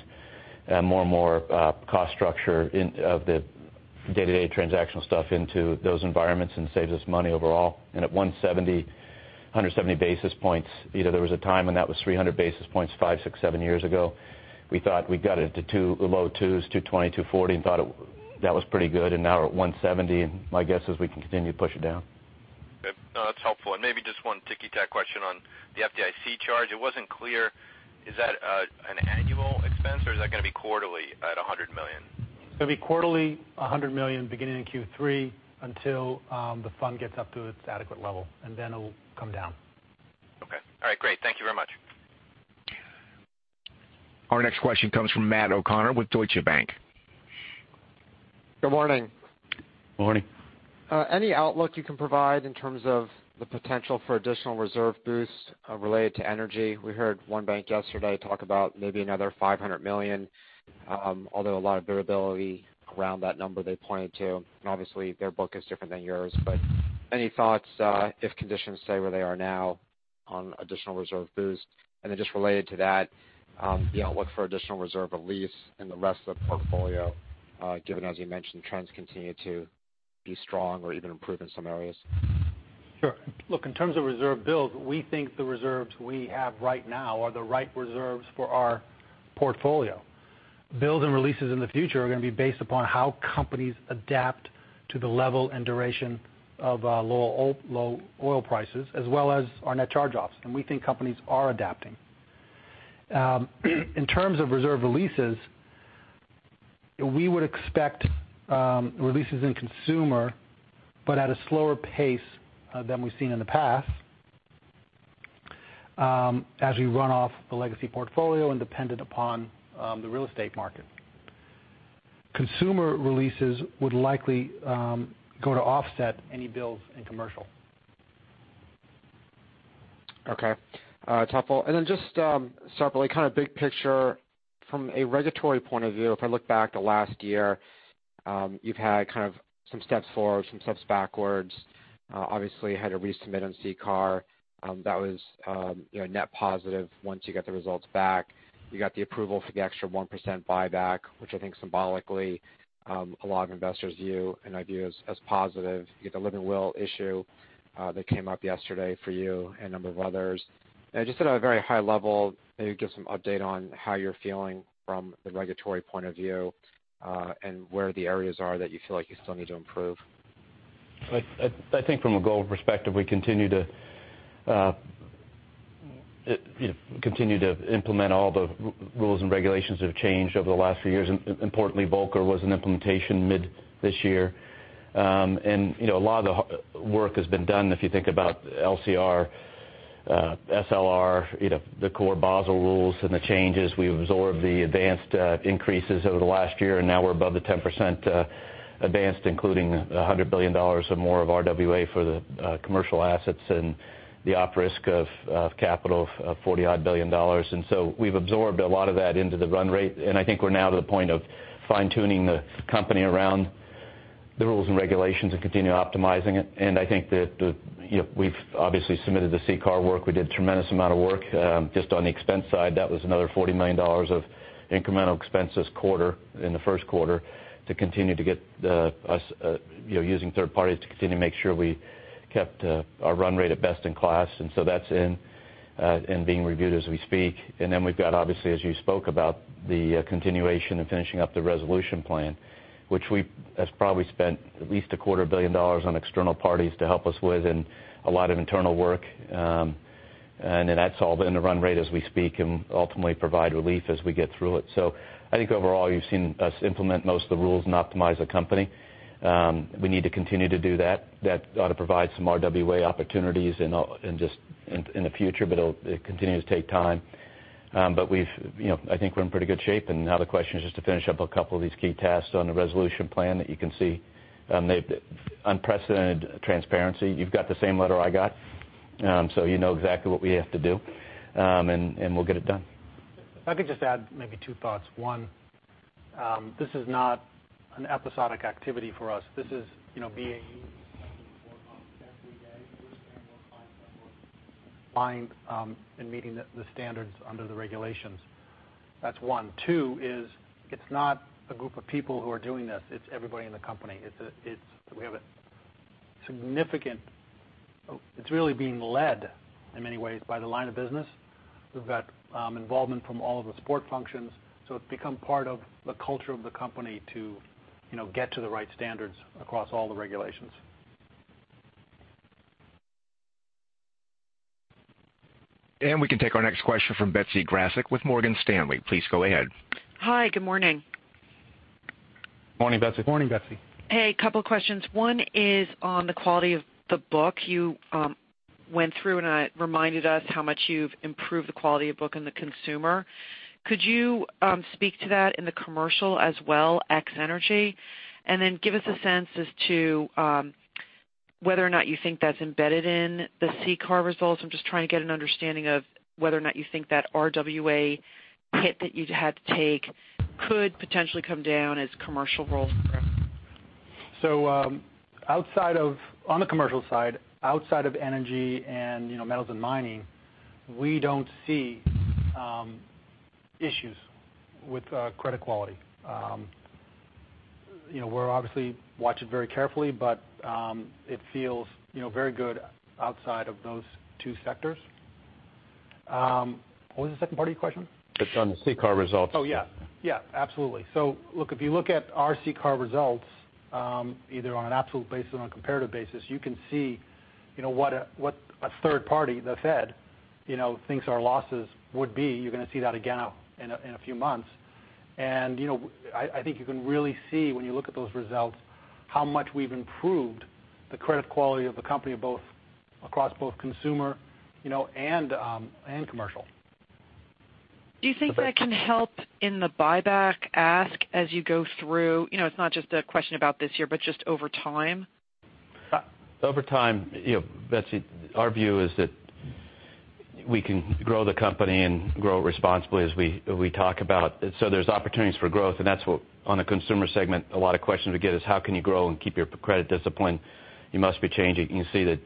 and more and more cost structure of the day-to-day transactional stuff into those environments and saves us money overall. At 170 basis points, there was a time when that was 300 basis points, five, six, seven years ago. We thought we got it to the low twos, 220, 240, and thought that was pretty good, and now we're at 170, My guess is we can continue to push it down.
Okay. No, that's helpful. Maybe just one ticky-tack question on the FDIC charge. It wasn't clear. Is that an annual expense or is that going to be quarterly at $100 million?
It's going to be quarterly, $100 million beginning in Q3 until the fund gets up to its adequate level, then it'll come down.
Okay. All right, great. Thank you very much.
Our next question comes from Matthew O'Connor with Deutsche Bank.
Good morning.
Morning.
Any outlook you can provide in terms of the potential for additional reserve boosts related to energy? We heard one bank yesterday talk about maybe another $500 million, although a lot of variability around that number they pointed to, and obviously their book is different than yours. Any thoughts, if conditions stay where they are now, on additional reserve boosts? Just related to that, the outlook for additional reserve release in the rest of the portfolio, given, as you mentioned, trends continue to be strong or even improve in some areas?
Sure. Look, in terms of reserve builds, we think the reserves we have right now are the right reserves for our portfolio. Builds and releases in the future are going to be based upon how companies adapt to the level and duration of low oil prices, as well as our net charge-offs. We think companies are adapting. In terms of reserve releases, we would expect releases in Consumer but at a slower pace than we've seen in the past as we run off the legacy portfolio and dependent upon the real estate market. Consumer releases would likely go to offset any builds in Commercial.
Okay. Helpful. Just separately, kind of big picture from a regulatory point of view, if I look back to last year, you've had kind of some steps forward, some steps backwards. Obviously, had to resubmit on CCAR. That was net positive once you got the results back. You got the approval for the extra 1% buyback, which I think symbolically a lot of investors view and I view as positive. You get the living will issue that came up yesterday for you and a number of others. Just at a very high level, maybe give some update on how you're feeling from the regulatory point of view, and where the areas are that you feel like you still need to improve.
I think from a goal perspective, we continue to implement all the rules and regulations that have changed over the last few years. Importantly, Volcker was in implementation mid this year. A lot of the work has been done if you think about LCR, SLR, the core Basel rules and the changes. We've absorbed the Advanced increases over the last year, and now we're above the 10% Advanced, including $100 billion or more of RWA for the commercial assets and the op risk of capital of $40 odd billion. So we've absorbed a lot of that into the run rate, and I think we're now to the point of fine-tuning the company around the rules and regulations and continue optimizing it. I think that we've obviously submitted the CCAR work. We did a tremendous amount of work just on the expense side. That was another $40 million of incremental expense this quarter, in the first quarter, to continue to get us using third parties to continue to make sure we kept our run rate at best in class. That's in, and being reviewed as we speak. We've got, obviously, as you spoke about, the continuation and finishing up the resolution plan, which we have probably spent at least a quarter billion dollars on external parties to help us with, and a lot of internal work. That's all in the run rate as we speak, and ultimately provide relief as we get through it. I think overall you've seen us implement most of the rules and optimize the company. We need to continue to do that. That ought to provide some RWA opportunities in the future, but it continues to take time. I think we're in pretty good shape, and now the question is just to finish up a couple of these key tasks on the resolution plan that you can see. They've unprecedented transparency. You've got the same letter I got, so you know exactly what we have to do. We'll get it done.
If I could just add maybe two thoughts. One, this is not an episodic activity for us. This is BAU stuff that we work on every day with and we're client-led. We're compliant in meeting the standards under the regulations. That's one. Two is, it's not a group of people who are doing this, it's everybody in the company. It's really being led, in many ways, by the line of business. We've got involvement from all of the support functions, so it's become part of the culture of the company to get to the right standards across all the regulations.
We can take our next question from Betsy Graseck with Morgan Stanley. Please go ahead.
Hi, good morning.
Morning, Betsy.
Morning, Betsy.
Hey, couple of questions. One is on the quality of the book. You went through and reminded us how much you've improved the quality of book in the consumer. Give us a sense as to whether or not you think that's embedded in the CCAR results. I'm just trying to get an understanding of whether or not you think that RWA hit that you'd had to take could potentially come down as commercial rolls through.
On the commercial side, outside of energy and metals and mining, we don't see issues with credit quality. We're obviously watching very carefully, but it feels very good outside of those two sectors. What was the second part of your question?
That on the CCAR results?
Oh, yeah. Absolutely. Look, if you look at our CCAR results, either on an absolute basis or on a comparative basis, you can see what a third party, the Fed, thinks our losses would be. You're going to see that again in a few months. I think you can really see when you look at those results, how much we've improved the credit quality of the company across both consumer and commercial.
Do you think that can help in the buyback ask as you go through? It's not just a question about this year, but just over time.
Over time, Betsy, our view is that we can grow the company and grow it responsibly as we talk about. There's opportunities for growth, and that's what, on the Consumer Banking segment, a lot of questions we get is how can you grow and keep your credit discipline? You must be changing. You can see that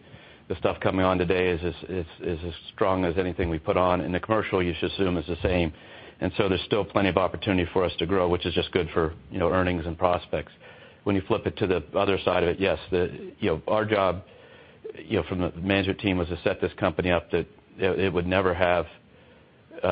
the stuff coming on today is as strong as anything we put on. In the commercial, you should assume it's the same. There's still plenty of opportunity for us to grow, which is just good for earnings and prospects. When you flip it to the other side of it, yes, our job from the management team was to set this company up that it would never have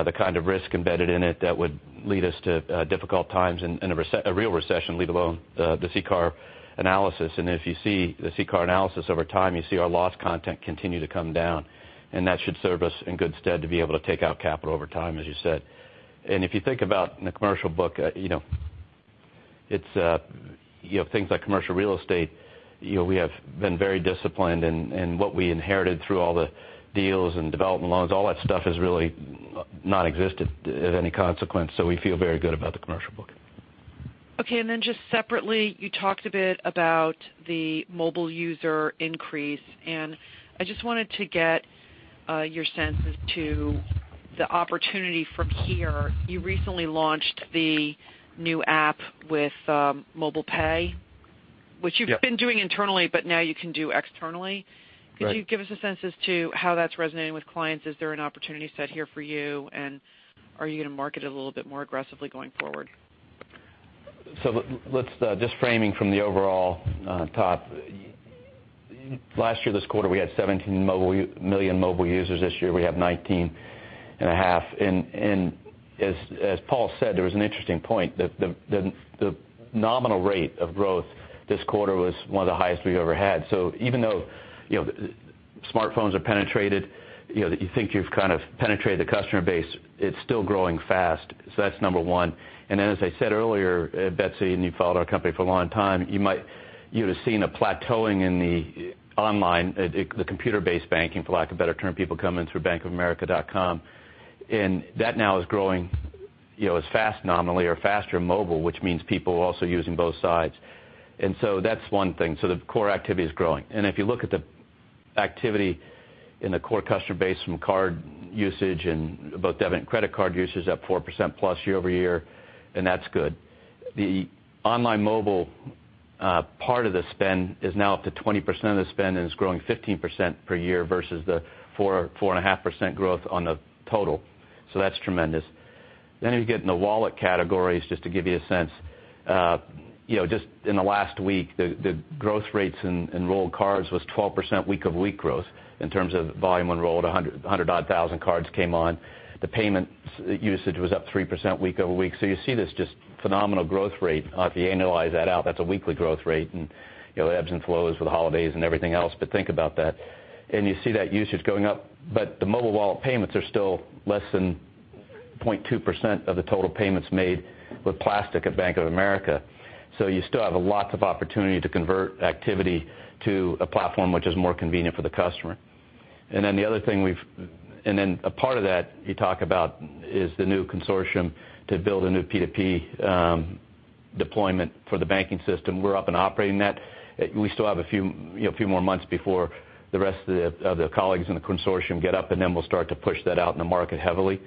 the kind of risk embedded in it that would lead us to difficult times in a real recession, let alone the CCAR analysis. If you see the CCAR analysis over time, you see our loss content continue to come down, and that should serve us in good stead to be able to take out capital over time, as you said. If you think about in the commercial book, things like commercial real estate, we have been very disciplined in what we inherited through all the deals and development loans. All that stuff has really not existed of any consequence, so we feel very good about the commercial book.
Okay, just separately, you talked a bit about the mobile user increase, and I just wanted to get your sense as to the opportunity from here. You recently launched the new app with Mobile Pay.
Yeah.
Which you've been doing internally, but now you can do externally.
Right.
Could you give us a sense as to how that's resonating with clients? Is there an opportunity set here for you? Are you going to market it a little bit more aggressively going forward?
Let's just framing from the overall top. Last year, this quarter, we had 17 million mobile users. This year, we have 19.5. As Paul said, there was an interesting point. The nominal rate of growth this quarter was one of the highest we've ever had. Even though smartphones are penetrated, that you think you've kind of penetrated the customer base, it's still growing fast. That's number one. As I said earlier, Betsy, and you've followed our company for a long time, You'd have seen a plateauing in the online, the computer-based banking, for lack of a better term, people come in through bankofamerica.com. That now is growing as fast nominally or faster mobile, which means people are also using both sides. That's one thing. The core activity is growing. If you look at the activity in the core customer base from card usage both debit and credit card usage is up 4%+ year-over-year, that's good. The online mobile part of the spend is now up to 20% of the spend and is growing 15% per year versus the 4.5% growth on the total. That's tremendous. You get in the wallet categories, just to give you a sense. Just in the last week, the growth rates in enrolled cards was 12% week-over-week growth in terms of volume enrolled, 100,000 odd cards came on. The payments usage was up 3% week-over-week. You see this just phenomenal growth rate. If you annualize that out, that's a weekly growth rate and ebbs and flows with holidays and everything else. Think about that. You see that usage going up, the mobile wallet payments are still less than 0.2% of the total payments made with plastic at Bank of America. You still have lots of opportunity to convert activity to a platform which is more convenient for the customer. A part of that you talk about is the new consortium to build a new P2P deployment for the banking system. We're up and operating that. We still have a few more months before the rest of the colleagues in the consortium get up, we'll start to push that out in the market heavily.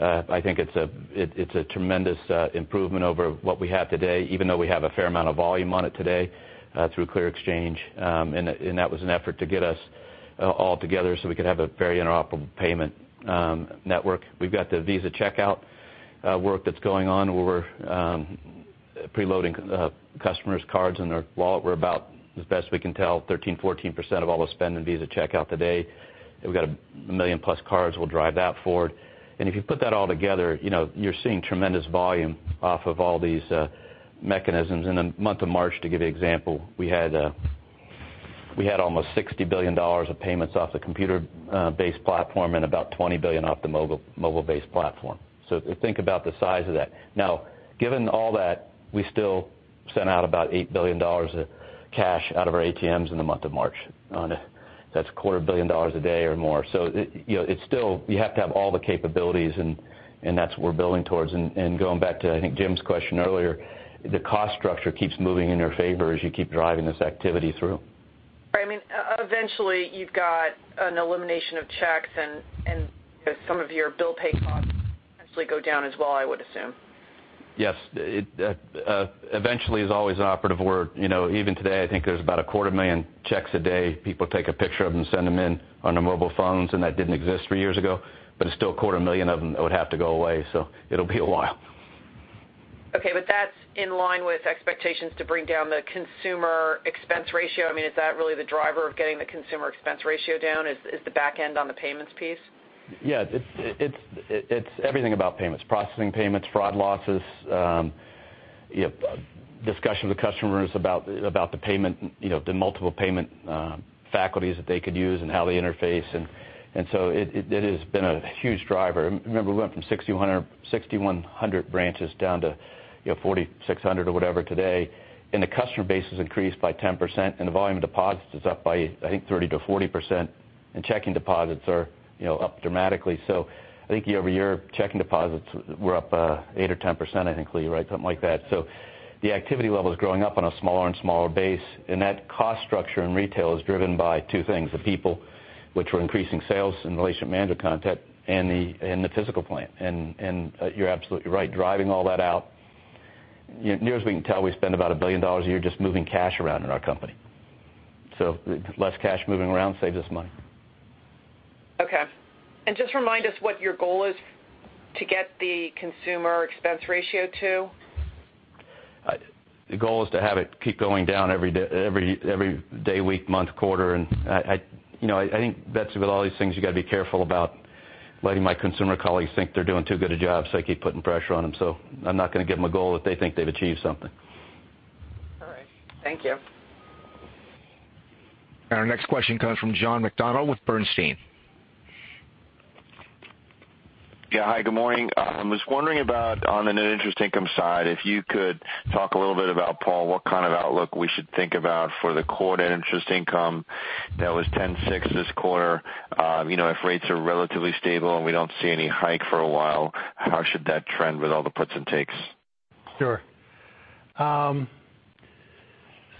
I think it's a tremendous improvement over what we have today, even though we have a fair amount of volume on it today through clearXchange, and that was an effort to get us all together so we could have a very interoperable payment network. We've got the Visa Checkout work that's going on. We're pre-loading customers' cards in their wallet. We're about, as best we can tell, 13%-14% of all the spend in Visa Checkout today. We've got a million-plus cards. We'll drive that forward. If you put that all together, you're seeing tremendous volume off of all these mechanisms. In the month of March, to give you example, we had almost $60 billion of payments off the computer-based platform and about $20 billion off the mobile-based platform. Think about the size of that. Given all that, we still sent out about $8 billion of cash out of our ATMs in the month of March. That's a quarter of a billion dollars a day or more. You have to have all the capabilities, and that's what we're building towards. Going back to, I think, Jim's question earlier, the cost structure keeps moving in your favor as you keep driving this activity through.
Right. Eventually, you've got an elimination of checks and some of your bill pay costs eventually go down as well, I would assume.
Yes. Eventually is always an operative word. Even today, I think there's about a quarter million checks a day. People take a picture of them, send them in on their mobile phones, and that didn't exist three years ago. It's still a quarter million of them that would have to go away. It'll be a while.
That's in line with expectations to bring down the consumer expense ratio. Is that really the driver of getting the consumer expense ratio down, is the back end on the payments piece?
Yeah. It's everything about payments. Processing payments, fraud losses, discussion with customers about the multiple payment faculties that they could use and how they interface. It has been a huge driver. Remember, we went from 6,100 branches down to 4,600 or whatever today, and the customer base has increased by 10%, and the volume of deposits is up by, I think, 30%-40%, and checking deposits are up dramatically. I think year-over-year, checking deposits were up 8%-10%, I think, Lee, right? Something like that. The activity level is growing up on a smaller and smaller base, and that cost structure in retail is driven by two things. The people, which we're increasing sales and relationship manager content, and the physical plant. You're absolutely right. Driving all that out, near as we can tell, we spend about $1 billion a year just moving cash around in our company. Less cash moving around saves us money.
Okay. Just remind us what your goal is to get the consumer expense ratio to.
The goal is to have it keep going down every day, week, month, quarter. I think that's with all these things you got to be careful about letting my consumer colleagues think they're doing too good a job, I keep putting pressure on them. I'm not going to give them a goal if they think they've achieved something.
All right. Thank you.
Our next question comes from John McDonald with Bernstein.
Yeah. Hi, good morning. I was wondering about on the net interest income side, if you could talk a little bit about, Paul, what kind of outlook we should think about for the core net interest income that was $10.6 this quarter. If rates are relatively stable and we don't see any hike for a while, how should that trend with all the puts and takes?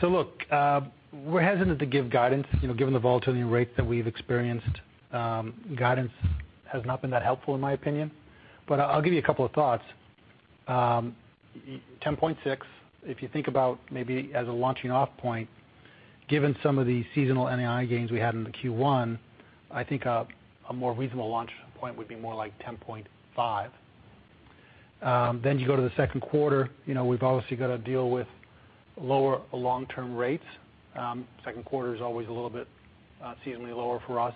Look, we're hesitant to give guidance. Given the volatility in rates that we've experienced, guidance has not been that helpful, in my opinion. I'll give you a couple of thoughts. 10.6, if you think about maybe as a launching off point, given some of the seasonal NII gains we had in the Q1, I think a more reasonable launch point would be more like 10.5. You go to the second quarter, we've obviously got to deal with lower long-term rates. Second quarter is always a little bit seasonally lower for us.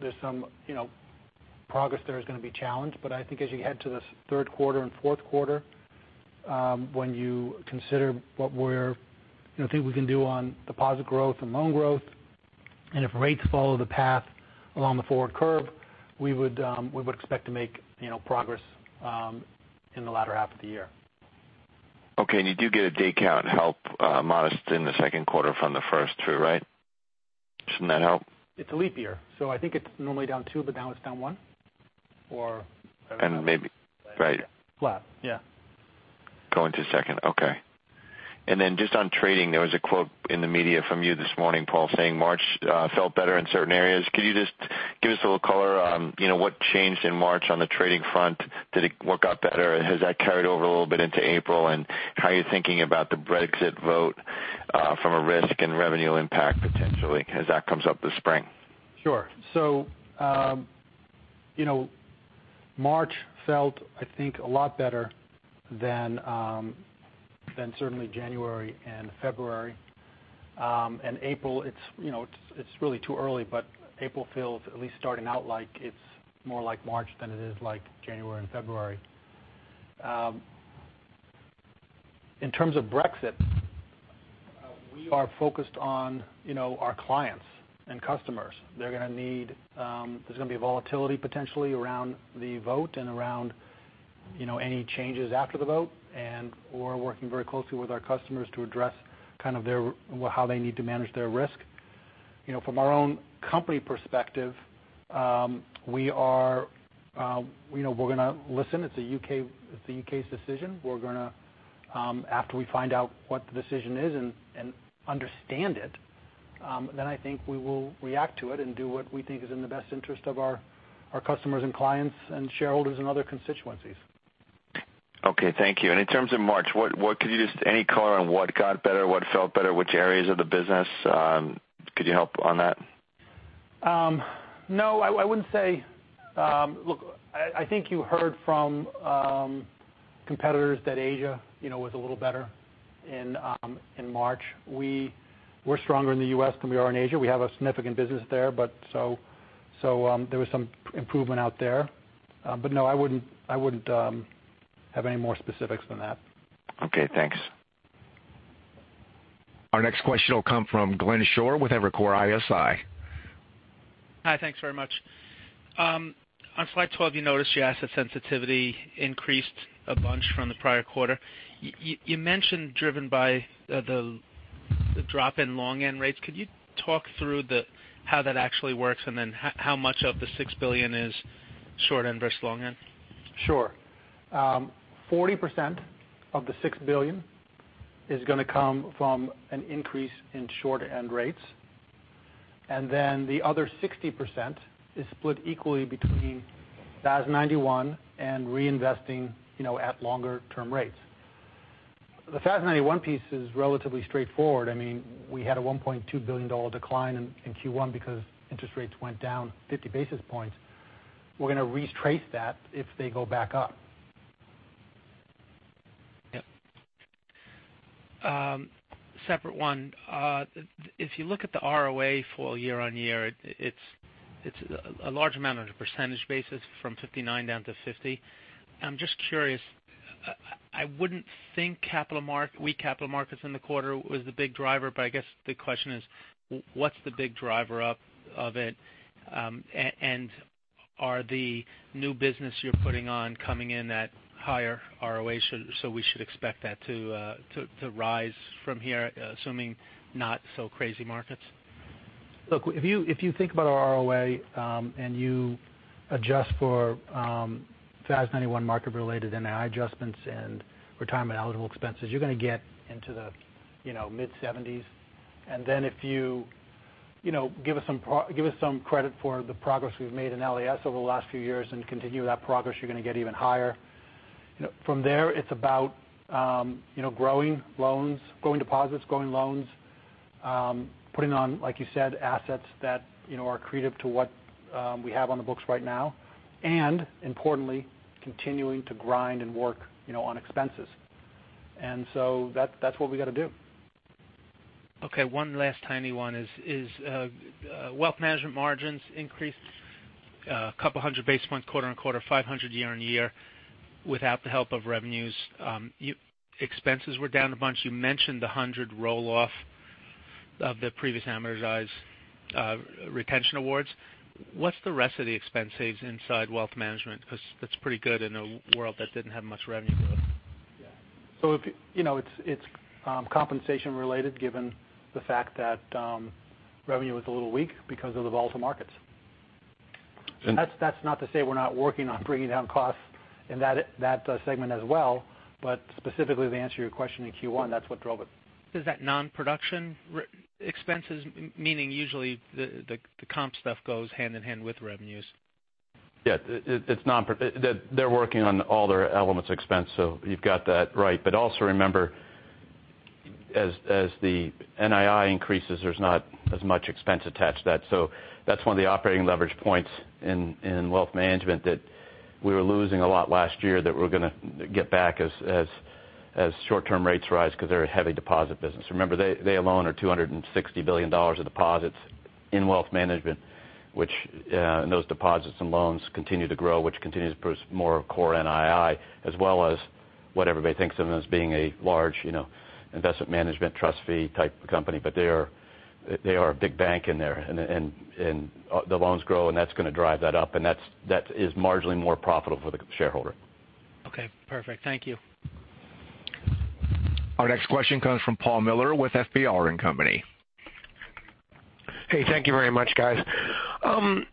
There's some progress there that's going to be challenged. I think as you head to the third quarter and fourth quarter, when you consider what we think we can do on deposit growth and loan growth. If rates follow the path along the forward curve, we would expect to make progress in the latter half of the year.
Okay. You do get a day count help modest in the second quarter from the first two, right? Shouldn't that help?
It's a leap year, I think it's normally down two, but now it's down one.
Right.
Flat. Yeah.
Go into second. Okay. Then just on trading, there was a quote in the media from you this morning, Paul, saying March felt better in certain areas. Could you just give us a little color on what changed in March on the trading front? Did it work out better? Has that carried over a little bit into April? How are you thinking about the Brexit vote from a risk and revenue impact potentially as that comes up this spring?
Sure. March felt, I think, a lot better than certainly January and February. April, it's really too early, but April feels at least starting out like it's more like March than it is like January and February. In terms of Brexit, we are focused on our clients and customers. There's going to be volatility potentially around the vote and around any changes after the vote. We're working very closely with our customers to address how they need to manage their risk. From our own company perspective, we're going to listen. It's the U.K.'s decision. After we find out what the decision is and understand it, then I think we will react to it and do what we think is in the best interest of our customers and clients and shareholders and other constituencies.
Okay. Thank you. In terms of March, any color on what got better, what felt better, which areas of the business? Could you help on that?
No, I wouldn't say. Look, I think you heard from competitors that Asia was a little better in March. We're stronger in the U.S. than we are in Asia. We have a significant business there. There was some improvement out there. No, I wouldn't have any more specifics than that.
Okay, thanks.
Our next question will come from Glenn Schorr with Evercore ISI.
Hi. Thanks very much. On slide 12, you noticed your asset sensitivity increased a bunch from the prior quarter. You mentioned driven by the drop in long end rates. Could you talk through how that actually works and then how much of the $6 billion is short end versus long end?
Sure. 40% of the $6 billion is going to come from an increase in short-end rates. The other 60% is split equally between FAS 91 and reinvesting at longer-term rates. The FAS 91 piece is relatively straightforward. We had a $1.2 billion decline in Q1 because interest rates went down 50 basis points. We're going to retrace that if they go back up.
Yep. Separate one. If you look at the ROA for year-over-year, it's a large amount on a percentage basis from 59% down to 50%. I'm just curious, I wouldn't think weak capital markets in the quarter was the big driver, but I guess the question is, what's the big driver of it? Are the new business you're putting on coming in at higher ROA, so we should expect that to rise from here, assuming not so crazy markets?
Look, if you think about our ROA, you adjust for FAS 91 market-related NII adjustments and retirement eligible expenses, you're going to get into the mid-70s. If you give us some credit for the progress we've made in LAS over the last few years and continue that progress, you're going to get even higher. From there, it's about growing deposits, growing loans, putting on, like you said, assets that are accretive to what we have on the books right now, and importantly, continuing to grind and work on expenses. That's what we got to do.
Okay. One last tiny one is Wealth Management margins increased a couple hundred basis points quarter-over-quarter, 500 basis points year-over-year without the help of revenues. Expenses were down a bunch. You mentioned the 100 roll-off of the previous amortized retention awards. What's the rest of the expense saves inside Wealth Management? That's pretty good in a world that didn't have much revenue growth.
Yeah. It's compensation related given the fact that revenue was a little weak because of the volatile markets.
And-
That's not to say we're not working on bringing down costs in that segment as well, specifically to answer your question in Q1, that's what drove it.
Is that non-production expenses? Meaning usually the comp stuff goes hand in hand with revenues.
Yeah. They're working on all their elements expense, so you've got that right. Also remember, as the NII increases, there's not as much expense attached to that. That's one of the operating leverage points in wealth management that we were losing a lot last year that we're going to get back as short-term rates rise because they're a heavy deposit business. Remember, they alone are $260 billion of deposits in wealth management. Those deposits and loans continue to grow, which continues to produce more core NII, as well as What everybody thinks of as being a large investment management trust fee type of company, but they are a big bank in there, and the loans grow, and that's going to drive that up, and that is marginally more profitable for the shareholder.
Okay, perfect. Thank you.
Our next question comes from Paul Miller with FBR & Co.
Thank you very much, guys. On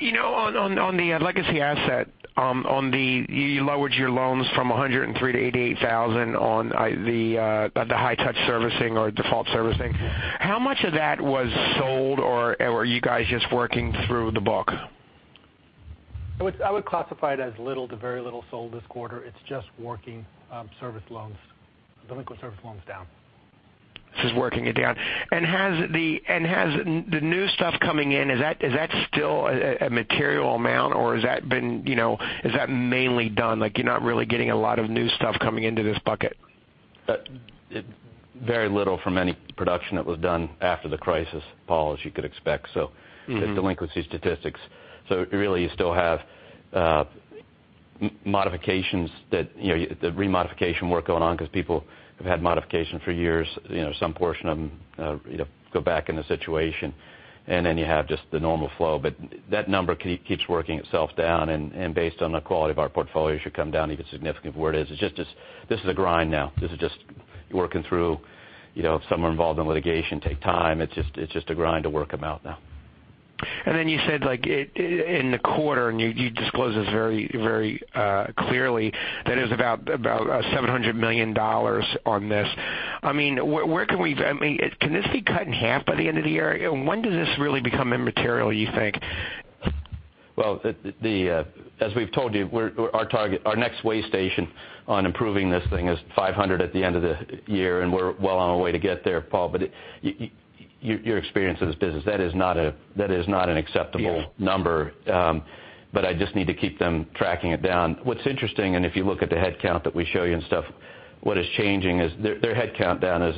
the legacy asset, you lowered your loans from 103,000 to 88,000 on the high touch servicing or default servicing. How much of that was sold, or were you guys just working through the book?
I would classify it as little to very little sold this quarter. It's just working service loans, delinquent service loans down.
Just working it down. Has the new stuff coming in, is that still a material amount or has that been mainly done, like you're not really getting a lot of new stuff coming into this bucket?
Very little from any production that was done after the crisis, Paul, as you could expect. the delinquency statistics. Really you still have modifications, the re-modification work going on because people have had modifications for years, some portion of them go back in the situation, and then you have just the normal flow. That number keeps working itself down, and based on the quality of our portfolio, it should come down even significantly where it is. This is a grind now. This is just working through. If some are involved in litigation, takes time. It's just a grind to work them out now.
You said like in the quarter, and you disclose this very clearly, that it is about $700 million on this. Can this be cut in half by the end of the year? When does this really become immaterial, you think?
Well, as we've told you, our next way station on improving this thing is 500 at the end of the year, and we're well on our way to get there, Paul. You're experienced in this business. That is not an acceptable number. I just need to keep them tracking it down. What's interesting, and if you look at the headcount that we show you and stuff, what is changing is their headcount down is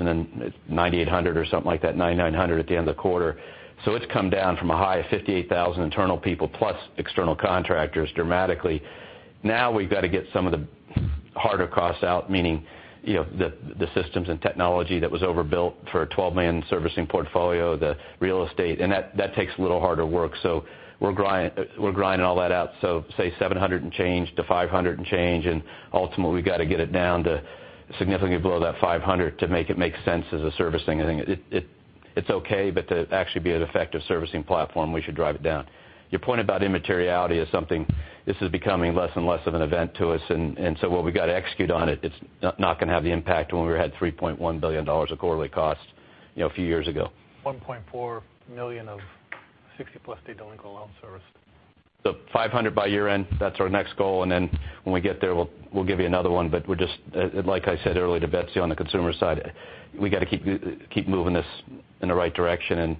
9,800 or something like that, 9,900 at the end of the quarter. It's come down from a high of 58,000 internal people plus external contractors dramatically. We've got to get some of the harder costs out, meaning the systems and technology that was overbuilt for a 12 million servicing portfolio, the real estate, and that takes a little harder work. We're grinding all that out. Say 700 and change to 500 and change, and ultimately, we've got to get it down to significantly below that 500 to make it make sense as a servicing. It's okay, but to actually be an effective servicing platform, we should drive it down. Your point about immateriality is something, this is becoming less and less of an event to us. What we got to execute on it's not going to have the impact when we had $3.1 billion of quarterly cost a few years ago.
1.4 million of 60 plus day delinquent loan service.
500 by year-end, that's our next goal, when we get there, we'll give you another one. We're just, like I said earlier to Betsy on the consumer side, we got to keep moving this in the right direction,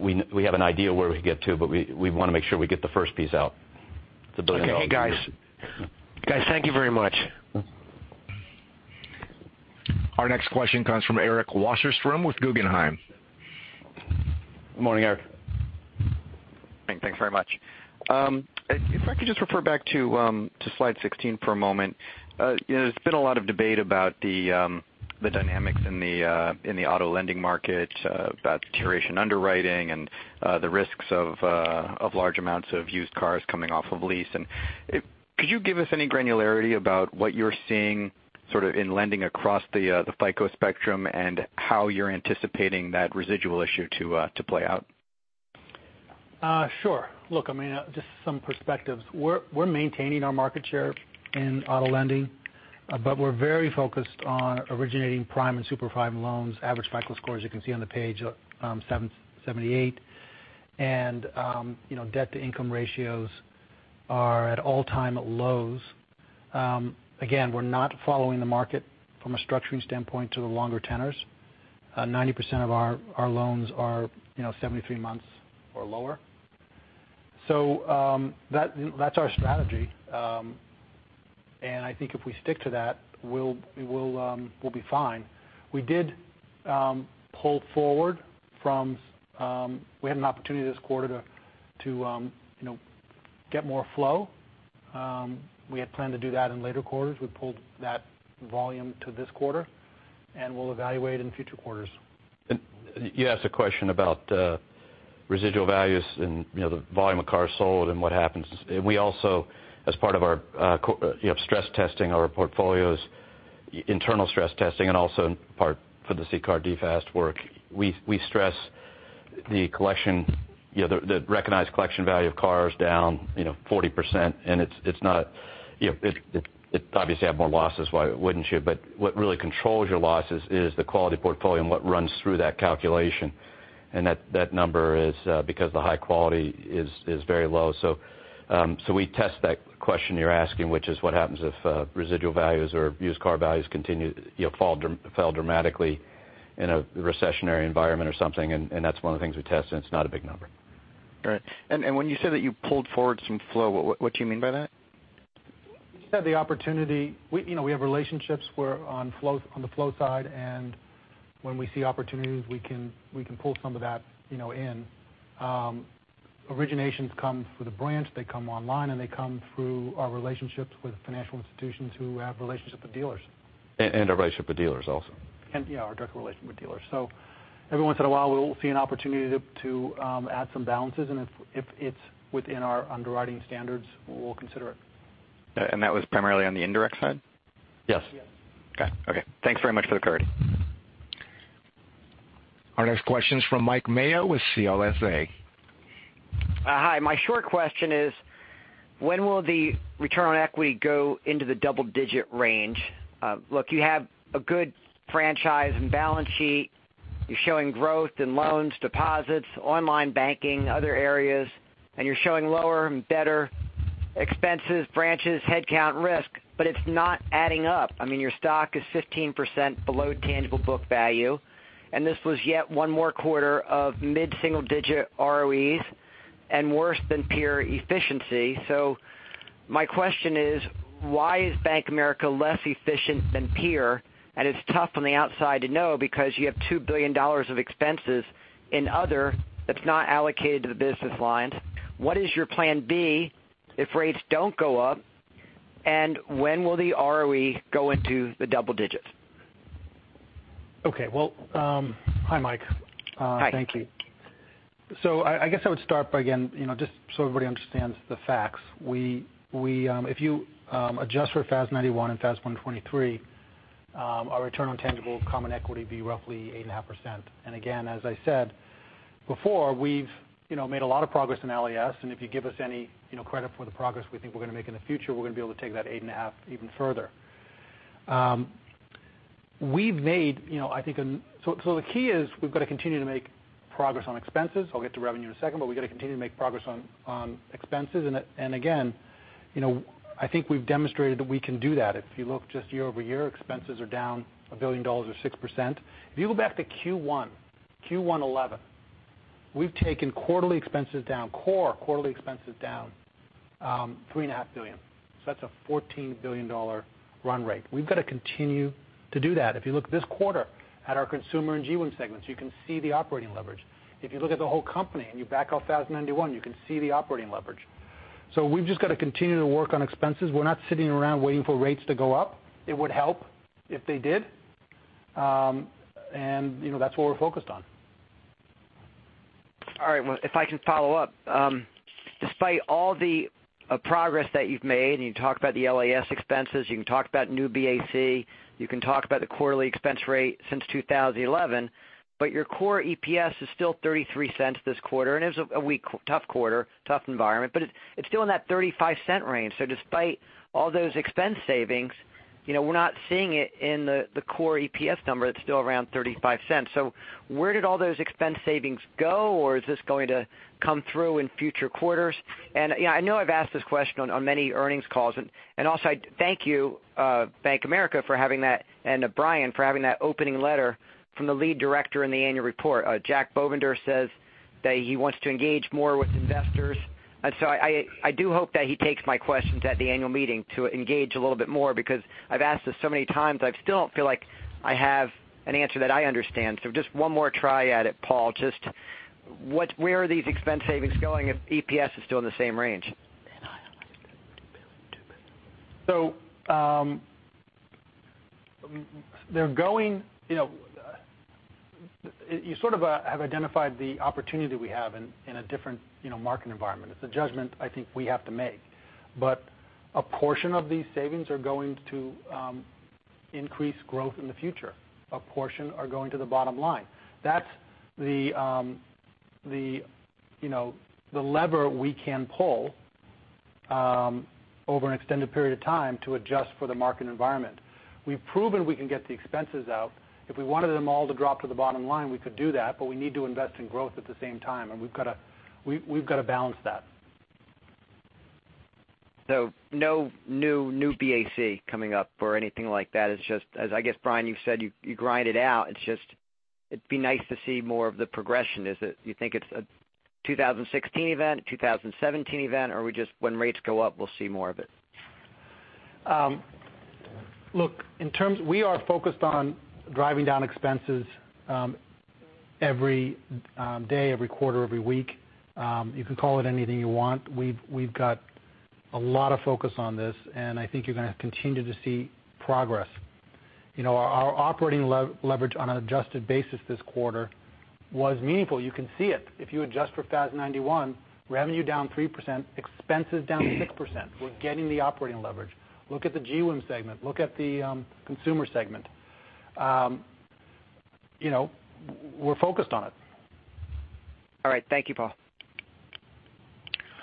we have an idea of where we can get to, we want to make sure we get the first piece out. It's $1 billion.
Okay, guys. Thank you very much.
Our next question comes from Eric Wasserstrom with Guggenheim.
Good morning, Eric.
Thanks very much. If I could just refer back to slide 16 for a moment. There's been a lot of debate about the dynamics in the auto lending market about curation underwriting and the risks of large amounts of used cars coming off of lease. Could you give us any granularity about what you're seeing sort of in lending across the FICO spectrum and how you're anticipating that residual issue to play out?
Sure. Look, just some perspectives. We're maintaining our market share in auto lending. We're very focused on originating prime and super prime loans, average FICO scores, you can see on the page, 78. Debt to income ratios are at all-time lows. Again, we're not following the market from a structuring standpoint to the longer tenors. 90% of our loans are 73 months or lower. That's our strategy. I think if we stick to that, we'll be fine. We did pull forward. We had an opportunity this quarter to get more flow. We had planned to do that in later quarters. We pulled that volume to this quarter, and we'll evaluate in future quarters.
You asked a question about residual values and the volume of cars sold and what happens. We also, as part of our stress testing our portfolios, internal stress testing, and also in part for the CCAR DFAST work, we stress the recognized collection value of cars down 40%, and it's obviously have more losses. Why wouldn't you? What really controls your losses is the quality of portfolio and what runs through that calculation. That number is because the high quality is very low. We test that question you're asking, which is what happens if residual values or used car values fell dramatically in a recessionary environment or something, and that's one of the things we test, and it's not a big number.
All right. When you say that you pulled forward some flow, what do you mean by that?
We just had the opportunity. We have relationships on the flow side, and when we see opportunities, we can pull some of that in. Originations come through the branch, they come online, and they come through our relationships with financial institutions who have relationships with dealers.
A relationship with dealers also.
Yeah, our direct relationship with dealers. Every once in a while, we will see an opportunity to add some balances, and if it's within our underwriting standards, we'll consider it.
That was primarily on the indirect side?
Yes.
Okay. Thanks very much for the clarity.
Our next question is from Mike Mayo with CLSA.
Hi. My short question is, when will the return on equity go into the double-digit range? Look, you have a good franchise and balance sheet. You're showing growth in loans, deposits, online banking, other areas, and you're showing lower and better expenses, branches, headcount risk, but it's not adding up. I mean, your stock is 15% below tangible book value, and this was yet one more quarter of mid-single-digit ROEs and worse than peer efficiency. My question is, why is Bank of America less efficient than peer? It's tough on the outside to know because you have $2 billion of expenses in other that's not allocated to the business lines. What is your plan B if rates don't go up? When will the ROE go into the double digits?
Hi, Mike.
Hi.
Thank you. I guess I would start by, again, just so everybody understands the facts. If you adjust for FAS 91 and FAS 123, our return on tangible common equity would be roughly 8.5%. Again, as I said before, we've made a lot of progress in LAS, and if you give us any credit for the progress we think we're going to make in the future, we're going to be able to take that 8.5% even further. The key is we've got to continue to make progress on expenses. I'll get to revenue in a second, we've got to continue to make progress on expenses. Again, I think we've demonstrated that we can do that. If you look just year-over-year, expenses are down $1 billion or 6%. If you go back to Q1 2011, we've taken quarterly expenses down, core quarterly expenses down $3.5 billion. That's a $14 billion run rate. We've got to continue to do that. If you look this quarter at our Consumer and GWIM segments, you can see the operating leverage. If you look at the whole company and you back out FAS 91, you can see the operating leverage. We've just got to continue to work on expenses. We're not sitting around waiting for rates to go up. It would help if they did. That's what we're focused on.
All right. Well, if I can follow up. Despite all the progress that you've made, you talked about the LAS expenses, you can talk about Project New BAC, you can talk about the quarterly expense rate since 2011, your core EPS is still $0.33 this quarter. It was a tough quarter, tough environment, it's still in that $0.35 range. Despite all those expense savings, we're not seeing it in the core EPS number. It's still around $0.35. Where did all those expense savings go? Or is this going to come through in future quarters? I know I've asked this question on many earnings calls, also I thank you, Bank of America, and Brian, for having that opening letter from the lead director in the annual report. Jack Bovender says that he wants to engage more with investors. I do hope that he takes my questions at the annual meeting to engage a little bit more because I've asked this so many times, but I still don't feel like I have an answer that I understand. Just one more try at it, Paul. Just where are these expense savings going if EPS is still in the same range?
You sort of have identified the opportunity we have in a different market environment. It's a judgment I think we have to make. A portion of these savings are going to increase growth in the future. A portion are going to the bottom line. That's the lever we can pull over an extended period of time to adjust for the market environment. We've proven we can get the expenses out. If we wanted them all to drop to the bottom line, we could do that, but we need to invest in growth at the same time, and we've got to balance that.
No New BAC coming up or anything like that. It's just as, I guess, Brian, you've said, you grind it out. It'd be nice to see more of the progression. Do you think it's a 2016 event, a 2017 event, or when rates go up, we'll see more of it?
Look, we are focused on driving down expenses every day, every quarter, every week. You can call it anything you want. We've got a lot of focus on this, and I think you're going to continue to see progress. Our operating leverage on an adjusted basis this quarter was meaningful. You can see it if you adjust for FAS 91, revenue down 3%, expenses down 6%. We're getting the operating leverage. Look at the GWIM segment. Look at the Consumer segment. We're focused on it.
All right. Thank you, Paul.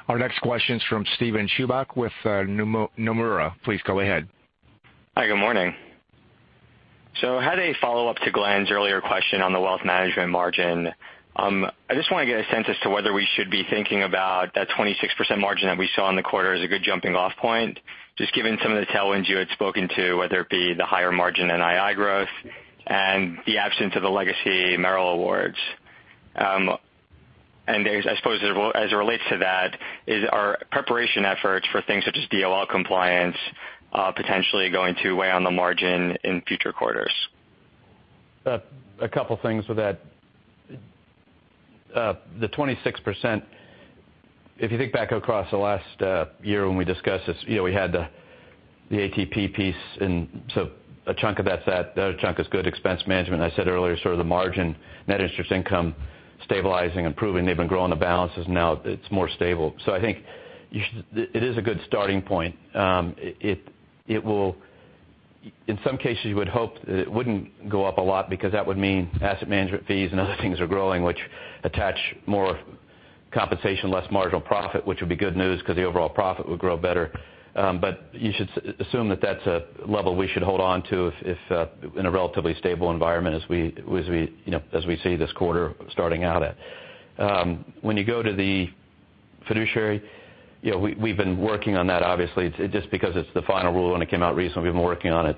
Our next question is from Steven Chubak with Nomura. Please go ahead.
Hi, good morning. I had a follow-up to Glenn's earlier question on the Wealth Management margin. I just want to get a sense as to whether we should be thinking about that 26% margin that we saw in the quarter as a good jumping off point, just given some of the tailwinds you had spoken to, whether it be the higher margin in NII growth and the absence of the Legacy Merrill awards. I suppose as it relates to that, is our preparation efforts for things such as DOL compliance potentially going to weigh on the margin in future quarters?
A couple things with that. The 26%, if you think back across the last year when we discussed this, we had the ATP piece. A chunk of that's that. The other chunk is good expense management. I said earlier, sort of the margin, net interest income stabilizing, improving. They've been growing the balances, now it's more stable. I think it is a good starting point. In some cases, you would hope it wouldn't go up a lot because that would mean asset management fees and other things are growing, which attach more compensation, less marginal profit, which would be good news because the overall profit would grow better. You should assume that that's a level we should hold on to in a relatively stable environment as we see this quarter starting out at. When you go to the fiduciary, we've been working on that. Obviously, just because it's the final rule, and it came out recently, we've been working on it.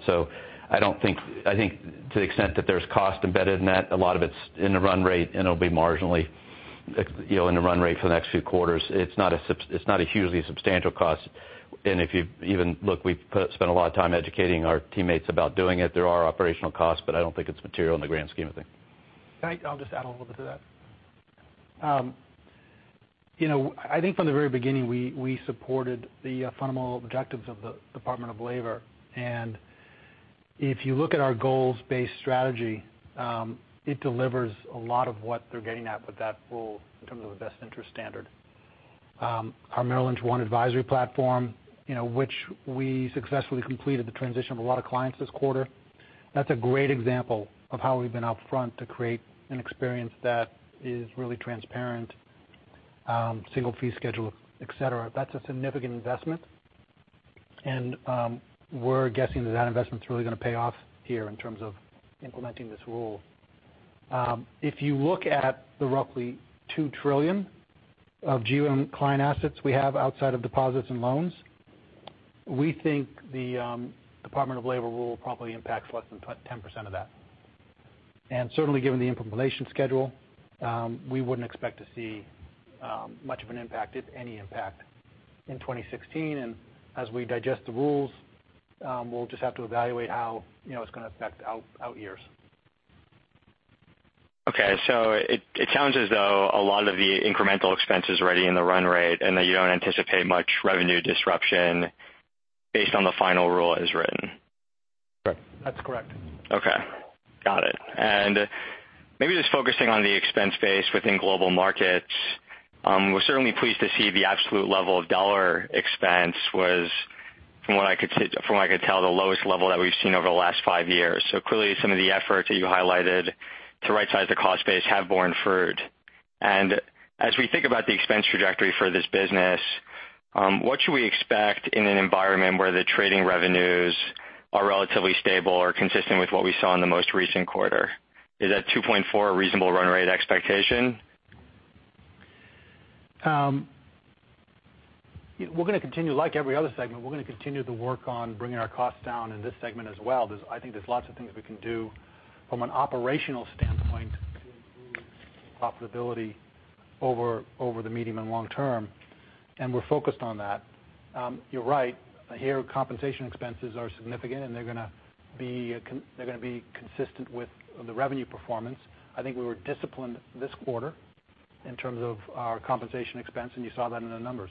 I think to the extent that there's cost embedded in that, a lot of it's in the run rate, and it'll be marginally in the run rate for the next few quarters. It's not a hugely substantial cost. If you even look, we've spent a lot of time educating our teammates about doing it. There are operational costs, but I don't think it's material in the grand scheme of things.
I'll just add a little bit to that. I think from the very beginning, we supported the fundamental objectives of the Department of Labor. If you look at our goals-based strategy, it delivers a lot of what they're getting at with that rule in terms of a best interest standard. Our Merrill Edge Advisory Program platform, which we successfully completed the transition of a lot of clients this quarter, that's a great example of how we've been upfront to create an experience that is really transparent, single fee schedule, et cetera. That's a significant investment, and we're guessing that investment's really going to pay off here in terms of implementing this rule. If you look at the roughly $2 trillion of geo and client assets we have outside of deposits and loans, we think the Department of Labor rule probably impacts less than 10% of that. Certainly given the implementation schedule, we wouldn't expect to see much of an impact, if any impact, in 2016. As we digest the rules, we'll just have to evaluate how it's going to affect out years.
Okay, it sounds as though a lot of the incremental expense is already in the run rate, and that you don't anticipate much revenue disruption based on the final rule as written.
Correct. That's correct.
Okay, got it. Maybe just focusing on the expense base within global markets, we're certainly pleased to see the absolute level of $ expense was, from what I could tell, the lowest level that we've seen over the last 5 years. Clearly, some of the efforts that you highlighted to right size the cost base have borne fruit. As we think about the expense trajectory for this business, what should we expect in an environment where the trading revenues are relatively stable or consistent with what we saw in the most recent quarter? Is that $2.4 a reasonable run rate expectation?
Like every other segment, we're going to continue to work on bringing our costs down in this segment as well. I think there's lots of things we can do from an operational standpoint to improve profitability over the medium and long term, and we're focused on that. You're right. Here, compensation expenses are significant, and they're going to be consistent with the revenue performance. I think we were disciplined this quarter in terms of our compensation expense, and you saw that in the numbers.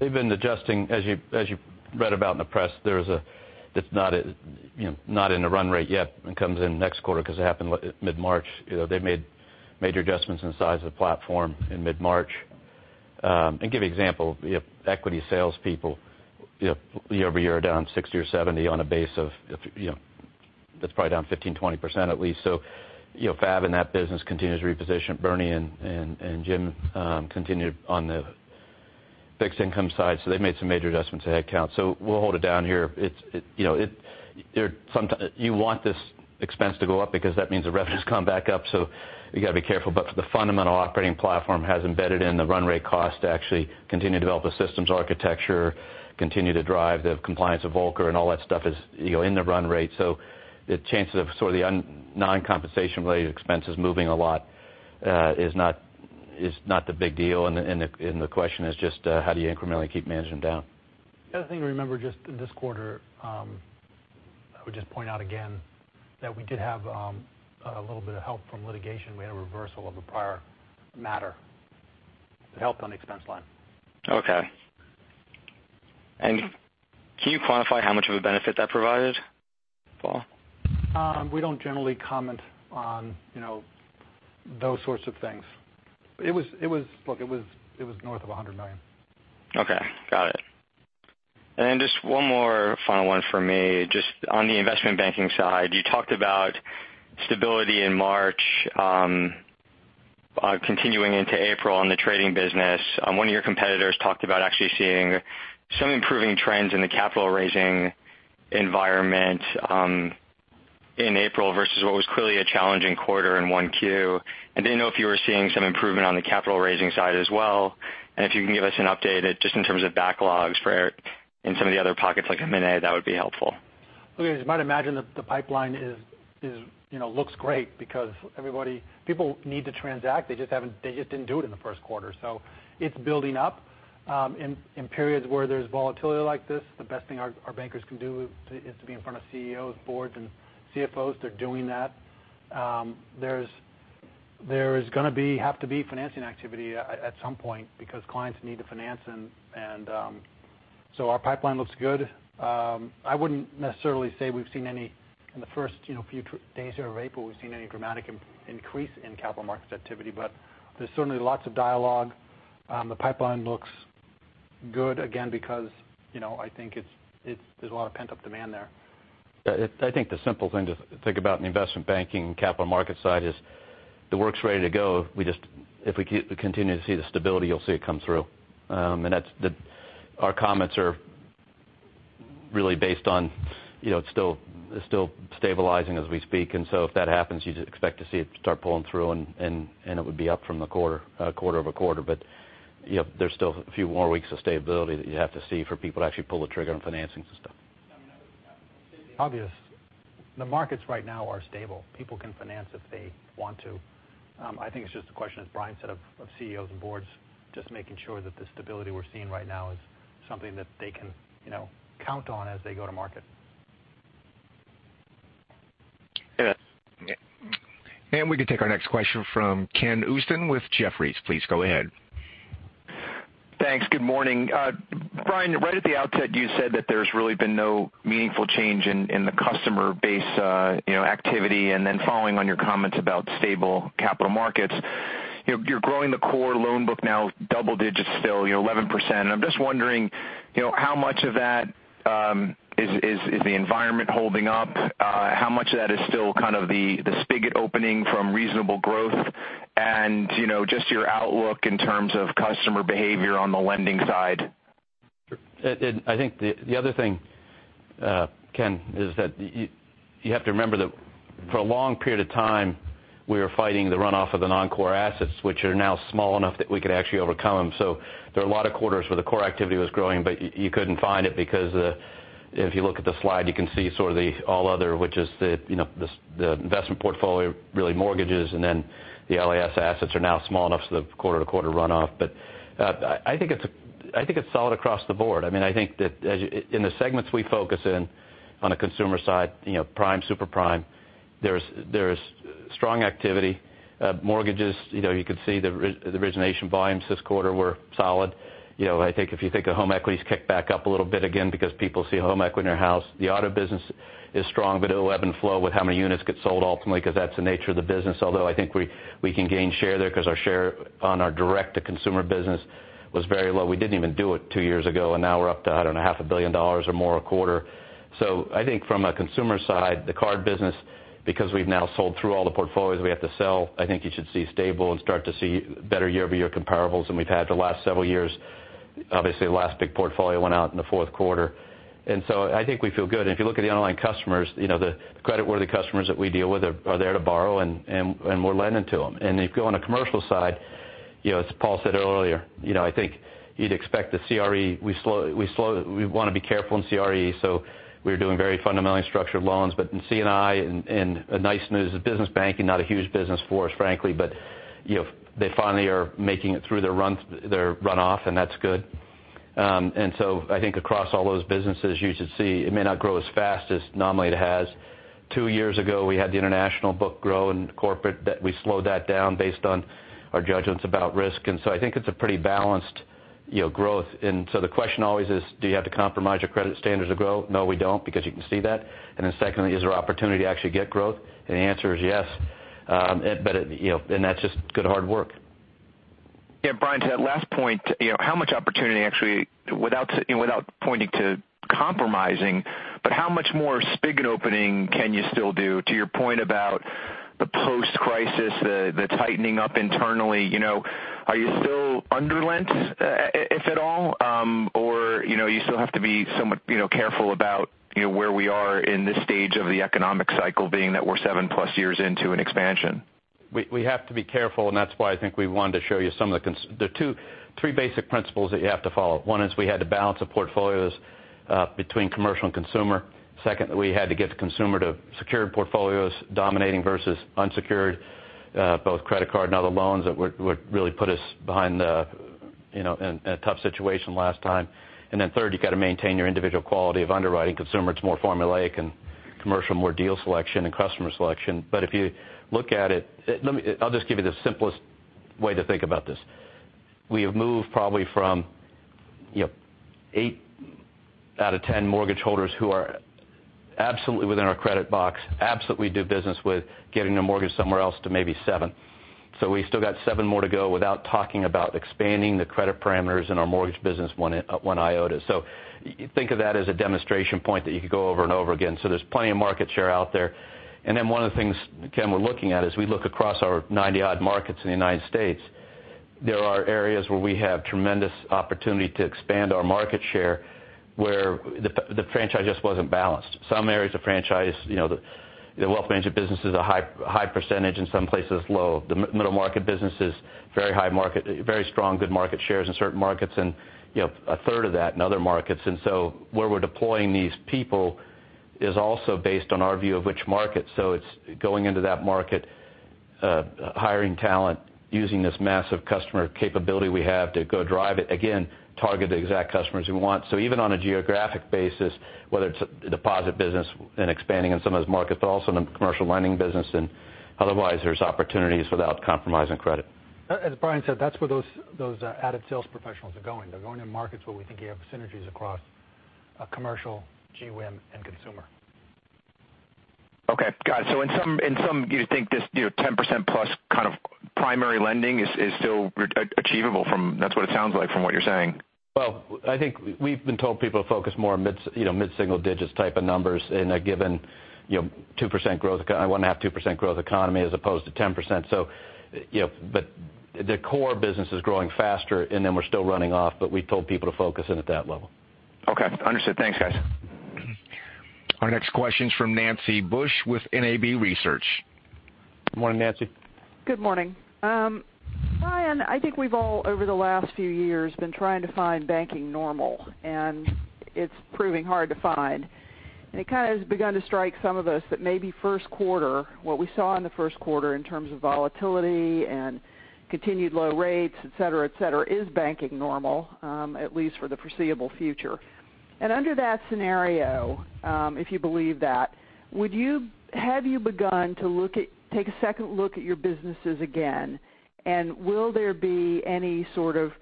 They've been adjusting, as you read about in the press. It's not in the run rate yet and comes in next quarter because it happened mid-March. They made major adjustments in the size of the platform in mid-March. Give you an example, equity salespeople year-over-year are down 60 or 70 on a base that's probably down 15%-20% at least. Fab in that business continues to reposition. Bernie and Jim continued on the fixed income side. They made some major adjustments to headcount. We'll hold it down here. You want this expense to go up because that means the revenues come back up, so you got to be careful. The fundamental operating platform has embedded in the run rate cost to actually continue to develop a systems architecture, continue to drive the compliance of Volcker and all that stuff is in the run rate. The chances of the non-compensation related expenses moving a lot is not the big deal. The question is just how do you incrementally keep managing them down.
The other thing to remember just this quarter, I would just point out again that we did have a little bit of help from litigation. We had a reversal of a prior matter that helped on the expense line.
Okay. Can you quantify how much of a benefit that provided, Paul?
We don't generally comment on those sorts of things. Look, it was north of $100 million.
Okay, got it. Just one more final one for me. Just on the investment banking side, you talked about stability in March continuing into April on the trading business. One of your competitors talked about actually seeing some improving trends in the capital raising environment in April versus what was clearly a challenging quarter in Q1. I didn't know if you were seeing some improvement on the capital raising side as well. If you can give us an update just in terms of backlogs in some of the other pockets like M&A, that would be helpful.
As you might imagine, the pipeline looks great because people need to transact, they just didn't do it in the first quarter. It's building up. In periods where there's volatility like this, the best thing our bankers can do is to be in front of CEOs, boards, and CFOs. They're doing that. There's going to have to be financing activity at some point because clients need to finance. Our pipeline looks good. I wouldn't necessarily say we've seen any in the first few days of April, we've seen any dramatic increase in capital markets activity. There's certainly lots of dialogue. The pipeline looks good again because I think there's a lot of pent-up demand there.
Yeah. I think the simple thing to think about in the investment banking and capital markets side is the work's ready to go. If we continue to see the stability, you'll see it come through. Our comments are really based on it still stabilizing as we speak. If that happens, you'd expect to see it start pulling through, and it would be up from the quarter-over-quarter. There's still a few more weeks of stability that you have to see for people to actually pull the trigger on financing stuff.
Obvious. The markets right now are stable. People can finance if they want to. I think it's just a question, as Brian said, of CEOs and boards just making sure that the stability we're seeing right now is something that they can count on as they go to market.
Yeah.
We can take our next question from Kenneth Usdin with Jefferies. Please go ahead.
Thanks. Good morning. Brian, right at the outset, you said that there's really been no meaningful change in the customer base activity. Following on your comments about stable capital markets, you're growing the core loan book now double digits still, 11%. I'm just wondering, how much of that is the environment holding up? How much of that is still kind of the spigot opening from reasonable growth? Just your outlook in terms of customer behavior on the lending side?
Sure. I think the other thing, Ken, is that you have to remember that for a long period of time, we were fighting the runoff of the non-core assets, which are now small enough that we could actually overcome them. There are a lot of quarters where the core activity was growing, but you couldn't find it because if you look at the slide, you can see sort of the All Other, which is the investment portfolio, really mortgages, and then the LAS assets are now small enough so the quarter-to-quarter runoff. I think it's solid across the board. I think that in the segments we focus in on the consumer side prime, super prime, there's strong activity. Mortgages, you could see the origination volumes this quarter were solid. I think if you think of home equities kicked back up a little bit again because people see home equity in their house. The auto business is strong, but it will ebb and flow with how many units get sold ultimately because that's the nature of the business. Although I think we can gain share there because our share on our direct-to-consumer business was very low. We didn't even do it two years ago, and now we're up to, I don't know, half a billion dollars or more a quarter. I think from a consumer side, the card business because we've now sold through all the portfolios we have to sell, I think you should see stable and start to see better year-over-year comparables than we've had the last several years. Obviously, the last big portfolio went out in the fourth quarter. I think we feel good. If you look at the underlying customers, the creditworthy customers that we deal with are there to borrow, we're lending to them. If you go on the commercial side, as Paul said earlier, I think you'd expect the CRE. We want to be careful in CRE, we're doing very fundamentally structured loans. In C&I, nice news is business banking, not a huge business for us, frankly, but they finally are making it through their runoff, and that's good. I think across all those businesses, you should see it may not grow as fast as nominally it has. Two years ago, we had the international book grow and corporate that we slowed that down based on our judgments about risk. I think it's a pretty balanced growth. The question always is, do you have to compromise your credit standards to grow? No, we don't because you can see that. Secondly, is there opportunity to actually get growth? The answer is yes. That's just good hard work.
Yeah. Brian, to that last point, how much opportunity actually, without pointing to compromising, but how much more spigot opening can you still do to your point about the post-crisis, the tightening up internally? Are you still under-lent, if at all? Or you still have to be somewhat careful about where we are in this stage of the economic cycle, being that we're 7+ years into an expansion?
We have to be careful, that's why I think we wanted to show you some of the three basic principles that you have to follow. One is, we had to balance the portfolios between commercial and consumer. Second, we had to get the consumer to secured portfolios dominating versus unsecured both credit card and other loans that would really put us behind in a tough situation last time. Third, you got to maintain your individual quality of underwriting. Consumer, it's more formulaic, and Commercial, more deal selection and customer selection. If you look at it, I'll just give you the simplest way to think about this. We have moved probably from eight out of 10 mortgage holders who are absolutely within our credit box, absolutely do business with getting a mortgage somewhere else to maybe seven. We still got seven more to go without talking about expanding the credit parameters in our mortgage business one iota. Think of that as a demonstration point that you could go over and over again. There's plenty of market share out there. One of the things, Ken, we're looking at is we look across our 90-odd markets in the U.S. There are areas where we have tremendous opportunity to expand our market share where the franchise just wasn't balanced. Some areas of franchise, the wealth management business is a high percentage. In some places, low. The middle market business is very strong, good market shares in certain markets, and a third of that in other markets. Where we're deploying these people is also based on our view of which market. It's going into that market Hiring talent, using this massive customer capability we have to go drive it. Again, target the exact customers we want. Even on a geographic basis, whether it's a deposit business and expanding in some of those markets, but also in the commercial lending business and otherwise, there's opportunities without compromising credit.
As Brian said, that's where those added sales professionals are going. They're going in markets where we think you have synergies across commercial, GWIM, and Consumer.
Okay. Got it. In some, you think this 10%+ kind of primary lending is still achievable. That's what it sounds like from what you're saying.
Well, I think we've been told people to focus more on mid-single digits type of numbers in a given 1.5%, 2% growth economy as opposed to 10%. The core business is growing faster, and then we're still running off, but we told people to focus in at that level.
Okay. Understood. Thanks, guys.
Our next question's from Nancy Bush with NAB Research.
Good morning, Nancy.
Good morning. Brian, I think we've all, over the last few years, been trying to find banking normal, it's proving hard to find. It kind of has begun to strike some of us that maybe first quarter, what we saw in the first quarter in terms of volatility and continued low rates, et cetera, et cetera, is banking normal, at least for the foreseeable future. Under that scenario, if you believe that, have you begun to take a second look at your businesses again? Will there be any sort of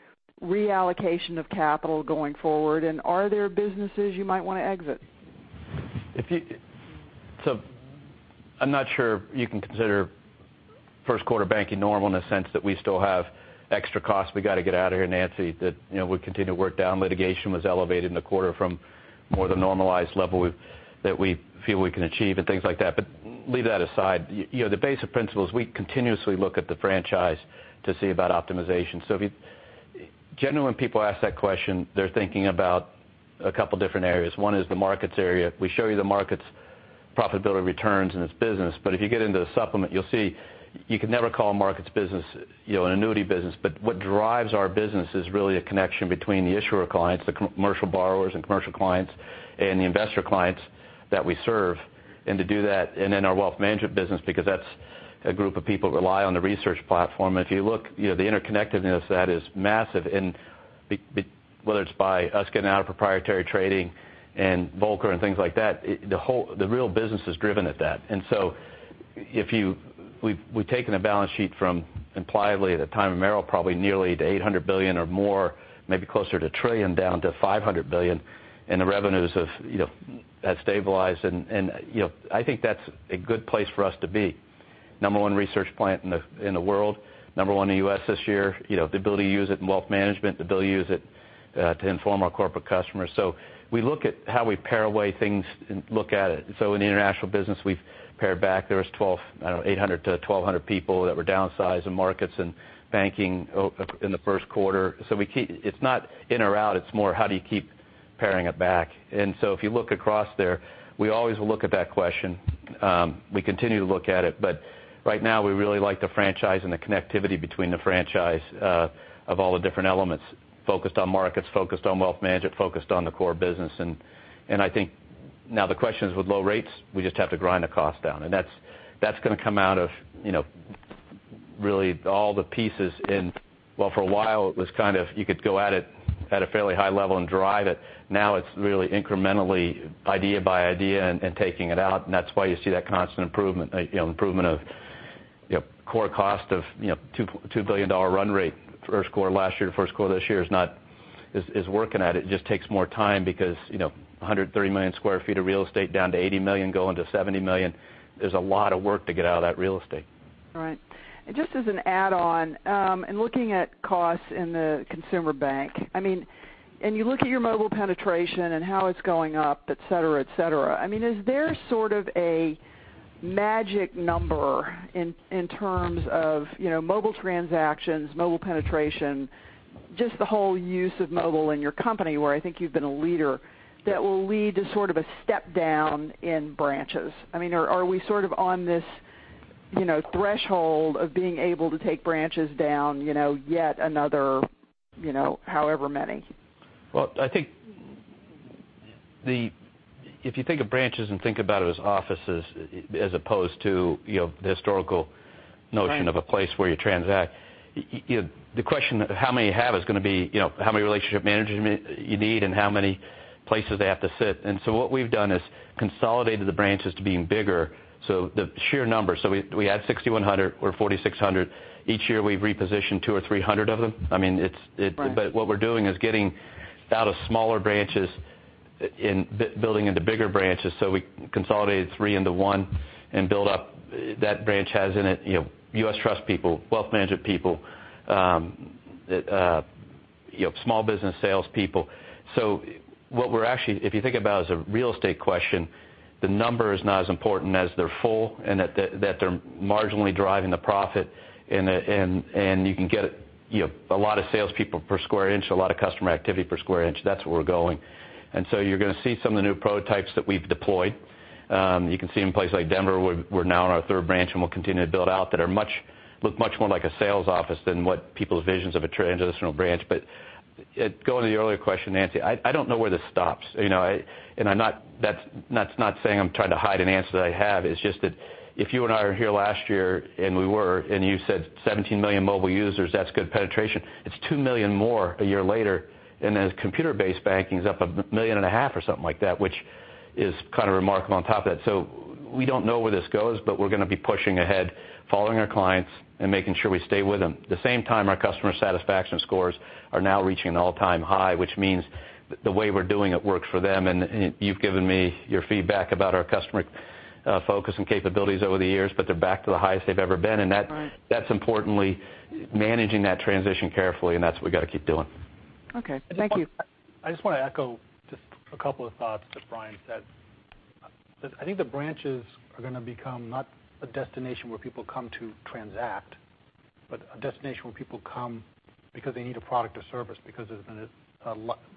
reallocation of capital going forward? Are there businesses you might want to exit?
I'm not sure you can consider first quarter banking normal in the sense that we still have extra costs we got to get out of here, Nancy, that we continue to work down. Litigation was elevated in the quarter from more the normalized level that we feel we can achieve and things like that. Leave that aside. The basic principle is we continuously look at the franchise to see about optimization. Generally, when people ask that question, they're thinking about a couple different areas. One is the markets area. We show you the markets profitability returns in its business. If you get into the supplement, you'll see you can never call a markets business an annuity business. What drives our business is really a connection between the issuer clients, the commercial borrowers, and commercial clients, and the investor clients that we serve. To do that, in our wealth management business because that's a group of people rely on the research platform. If you look, the interconnectedness of that is massive. Whether it's by us getting out of proprietary trading and Volcker and things like that, the real business is driven at that. We've taken a balance sheet from, impliedly at the time of Merrill, probably nearly to $800 billion or more, maybe closer to $1 trillion, down to $500 billion, the revenues have stabilized, and I think that's a good place for us to be. Number 1 research plant in the world, Number 1 in the U.S. this year. The ability to use it in wealth management, the ability to use it to inform our corporate customers. We look at how we pare away things and look at it. In the international business, we've pared back. There was 800-1,200 people that were downsized in markets and banking in the first quarter. It's not in or out, it's more how do you keep paring it back. If you look across there, we always look at that question. We continue to look at it, but right now, we really like the franchise and the connectivity between the franchise of all the different elements. Focused on markets, focused on wealth management, focused on the core business. I think now the question is with low rates, we just have to grind the cost down. That's going to come out of really all the pieces. Well, for a while, it was kind of, you could go at it at a fairly high level and drive it. It's really incrementally idea by idea and taking it out, and that's why you see that constant improvement. Improvement of core cost of $2 billion run rate first quarter of last year to first quarter of this year is working at it. It just takes more time because, 130 million sq ft of real estate down to 80 million, going to 70 million. There's a lot of work to get out of that real estate.
Right. Just as an add-on, in looking at costs in the Consumer Banking, and you look at your mobile penetration and how it's going up, et cetera. Is there sort of a magic number in terms of mobile transactions, mobile penetration, just the whole use of mobile in your company, where I think you've been a leader, that will lead to sort of a step down in branches? Are we sort of on this threshold of being able to take branches down yet another however many?
Well, I think if you think of branches and think about it as offices as opposed to the historical notion of a place where you transact, the question how many you have is going to be how many relationship managers you need and how many places they have to sit. What we've done is consolidated the branches to being bigger. The sheer numbers. We had 6,100. We're at 4,600. Each year, we've repositioned 200 or 300 of them. What we're doing is getting out of smaller branches and building into bigger branches. We consolidated three into one and build up. That branch has in it U.S. Trust people, wealth management people, small business salespeople. What we're actually, if you think about as a real estate question, the number is not as important as they're full and that they're marginally driving the profit, and you can get a lot of salespeople per square inch, a lot of customer activity per square inch. That's where we're going. You're going to see some of the new prototypes that we've deployed. You can see them in places like Denver, where we're now in our third branch, and we'll continue to build out that look much more like a sales office than what people's visions of a transitional branch. Going to the earlier question, Nancy, I don't know where this stops. That's not saying I'm trying to hide an answer that I have. It's just that if you and I are here last year, and we were, you said $17 million mobile users, that's good penetration. It's $2 million more a year later, as computer-based banking is up $1.5 million or something like that, which is kind of remarkable on top of that. We don't know where this goes, but we're going to be pushing ahead, following our clients and making sure we stay with them. At the same time, our customer satisfaction scores are now reaching an all-time high, which means the way we're doing it works for them. You've given me your feedback about our customer focus and capabilities over the years, but they're back to the highest they've ever been.
Right. That's importantly managing that transition carefully, and that's what we've got to keep doing. Okay. Thank you.
I just want to echo just a couple of thoughts that Brian said. I think the branches are going to become not a destination where people come to transact, but a destination where people come because they need a product or service because there's been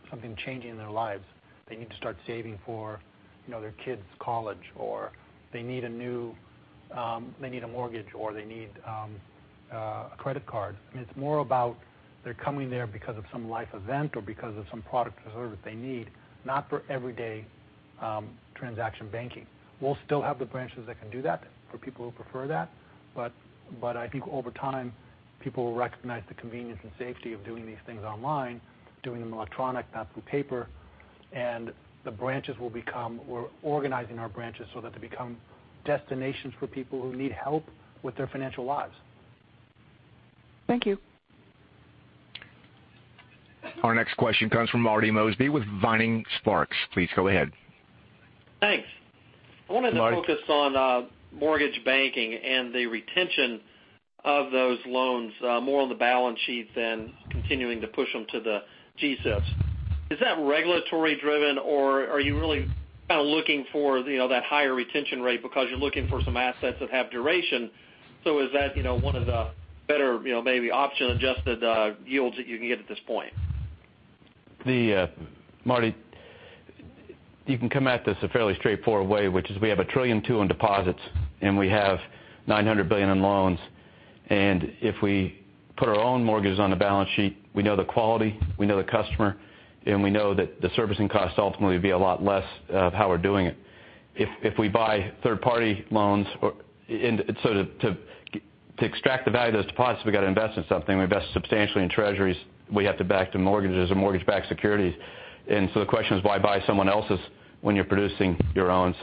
something changing in their lives. They need to start saving for their kid's college, or they need a mortgage, or they need a credit card. It's more about they're coming there because of some life event or because of some product or service they need, not for everyday transaction banking. We'll still have the branches that can do that for people who prefer that. I think over time, people will recognize the convenience and safety of doing these things online, doing them electronic, not through paper, and the branches will become, we're organizing our branches so that they become destinations for people who need help with their financial lives.
Thank you.
Our next question comes from Marty Mosby with Vining Sparks. Please go ahead.
Thanks.
Marty?
I wanted to focus on mortgage banking and the retention of those loans, more on the balance sheet than continuing to push them to the GSEs. Is that regulatory-driven or are you really kind of looking for that higher retention rate because you're looking for some assets that have duration? Is that one of the better maybe option-adjusted yields that you can get at this point?
Marty, you can come at this a fairly straightforward way, which is we have $1.2 trillion in deposits, and we have $900 billion in loans. If we put our own mortgages on the balance sheet, we know the quality, we know the customer, and we know that the servicing cost ultimately would be a lot less of how we're doing it. If we buy third-party loans, to extract the value of those deposits, we've got to invest in something. We invest substantially in Treasuries. We have to back to mortgages or mortgage-backed securities. The question is why buy someone else's when you're producing your own?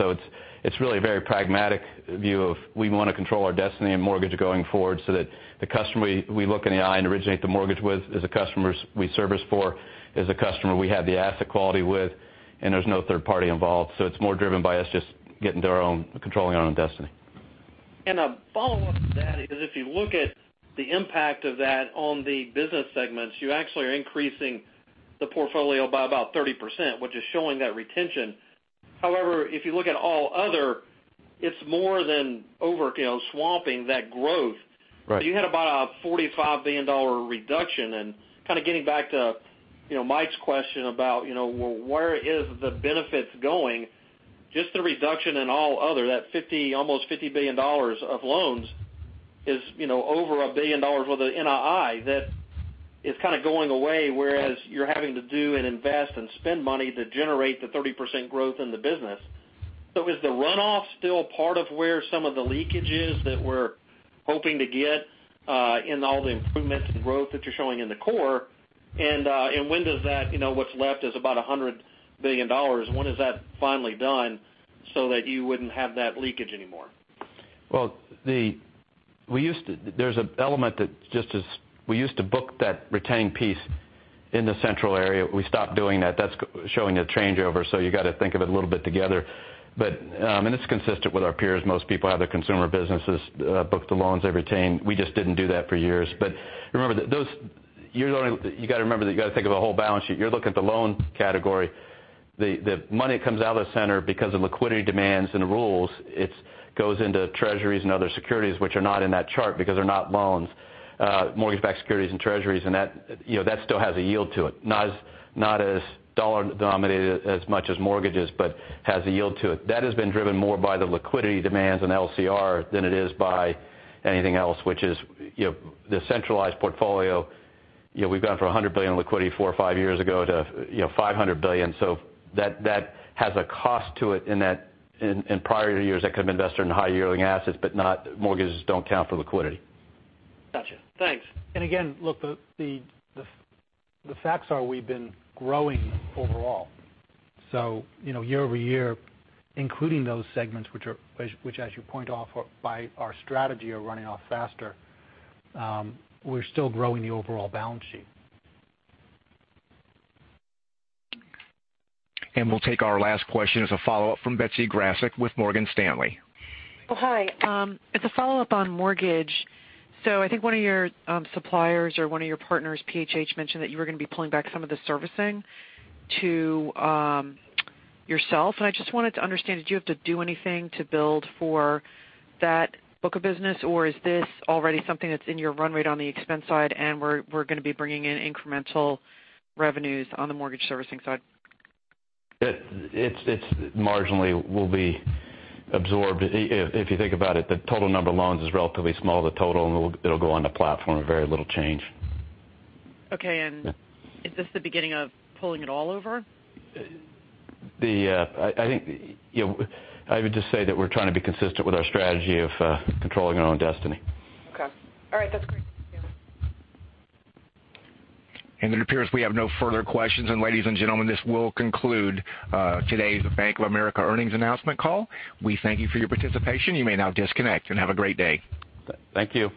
It's really a very pragmatic view of we want to control our destiny in mortgage going forward so that the customer we look in the eye and originate the mortgage with is a customer we service for, is a customer we have the asset quality with, and there's no third party involved. It's more driven by us just controlling our own destiny.
A follow-up to that is if you look at the impact of that on the business segments, you actually are increasing the portfolio by about 30%, which is showing that retention. However, if you look at All Other, it's more than over-swamping that growth.
Right.
You had about a $45 billion reduction and kind of getting back to Mike's question about where is the benefits going? Just the reduction in All Other, that almost $50 billion of loans is over $1 billion with NII that is kind of going away, whereas you're having to do an invest and spend money to generate the 30% growth in the business. Is the runoff still part of where some of the leakage is that we're hoping to get in all the improvements and growth that you're showing in the core? What's left is about $100 billion. When is that finally done so that you wouldn't have that leakage anymore?
There's an element that just is we used to book that retained piece in the central area. We stopped doing that. That's showing a changeover, you got to think of it a little bit together. It's consistent with our peers. Most people have their consumer businesses book the loans they've retained. We just didn't do that for years. Remember, you got to think of the whole balance sheet. You're looking at the loan category. The money comes out of the center because of liquidity demands and rules. It goes into Treasuries and other securities, which are not in that chart because they're not loans. Mortgage-backed securities and Treasuries, that still has a yield to it, not as dollar-denominated as much as mortgages, but has a yield to it. That has been driven more by the liquidity demands and LCR than it is by anything else, which is the centralized portfolio. We've gone from $100 billion in liquidity four or five years ago to $500 billion. That has a cost to it in prior years that could have invested in high-yielding assets, but mortgages don't count for liquidity.
Got you. Thanks.
Again, look, the facts are we've been growing overall. Year-over-year, including those segments, which as you point off by our strategy are running off faster, we're still growing the overall balance sheet.
We'll take our last question as a follow-up from Betsy Graseck with Morgan Stanley.
Hi. It's a follow-up on mortgage. I think one of your suppliers or one of your partners, PHH, mentioned that you were going to be pulling back some of the servicing to yourself. I just wanted to understand, do you have to do anything to build for that book of business? Or is this already something that's in your run rate on the expense side and we're going to be bringing in incremental revenues on the mortgage servicing side?
It marginally will be absorbed. If you think about it, the total number of loans is relatively small. It'll go on the platform, very little change.
Okay. Is this the beginning of pulling it all over?
I would just say that we're trying to be consistent with our strategy of controlling our own destiny.
Okay. All right. That's great. Thank you.
It appears we have no further questions. Ladies and gentlemen, this will conclude today's Bank of America earnings announcement call. We thank you for your participation. You may now disconnect and have a great day.
Thank you.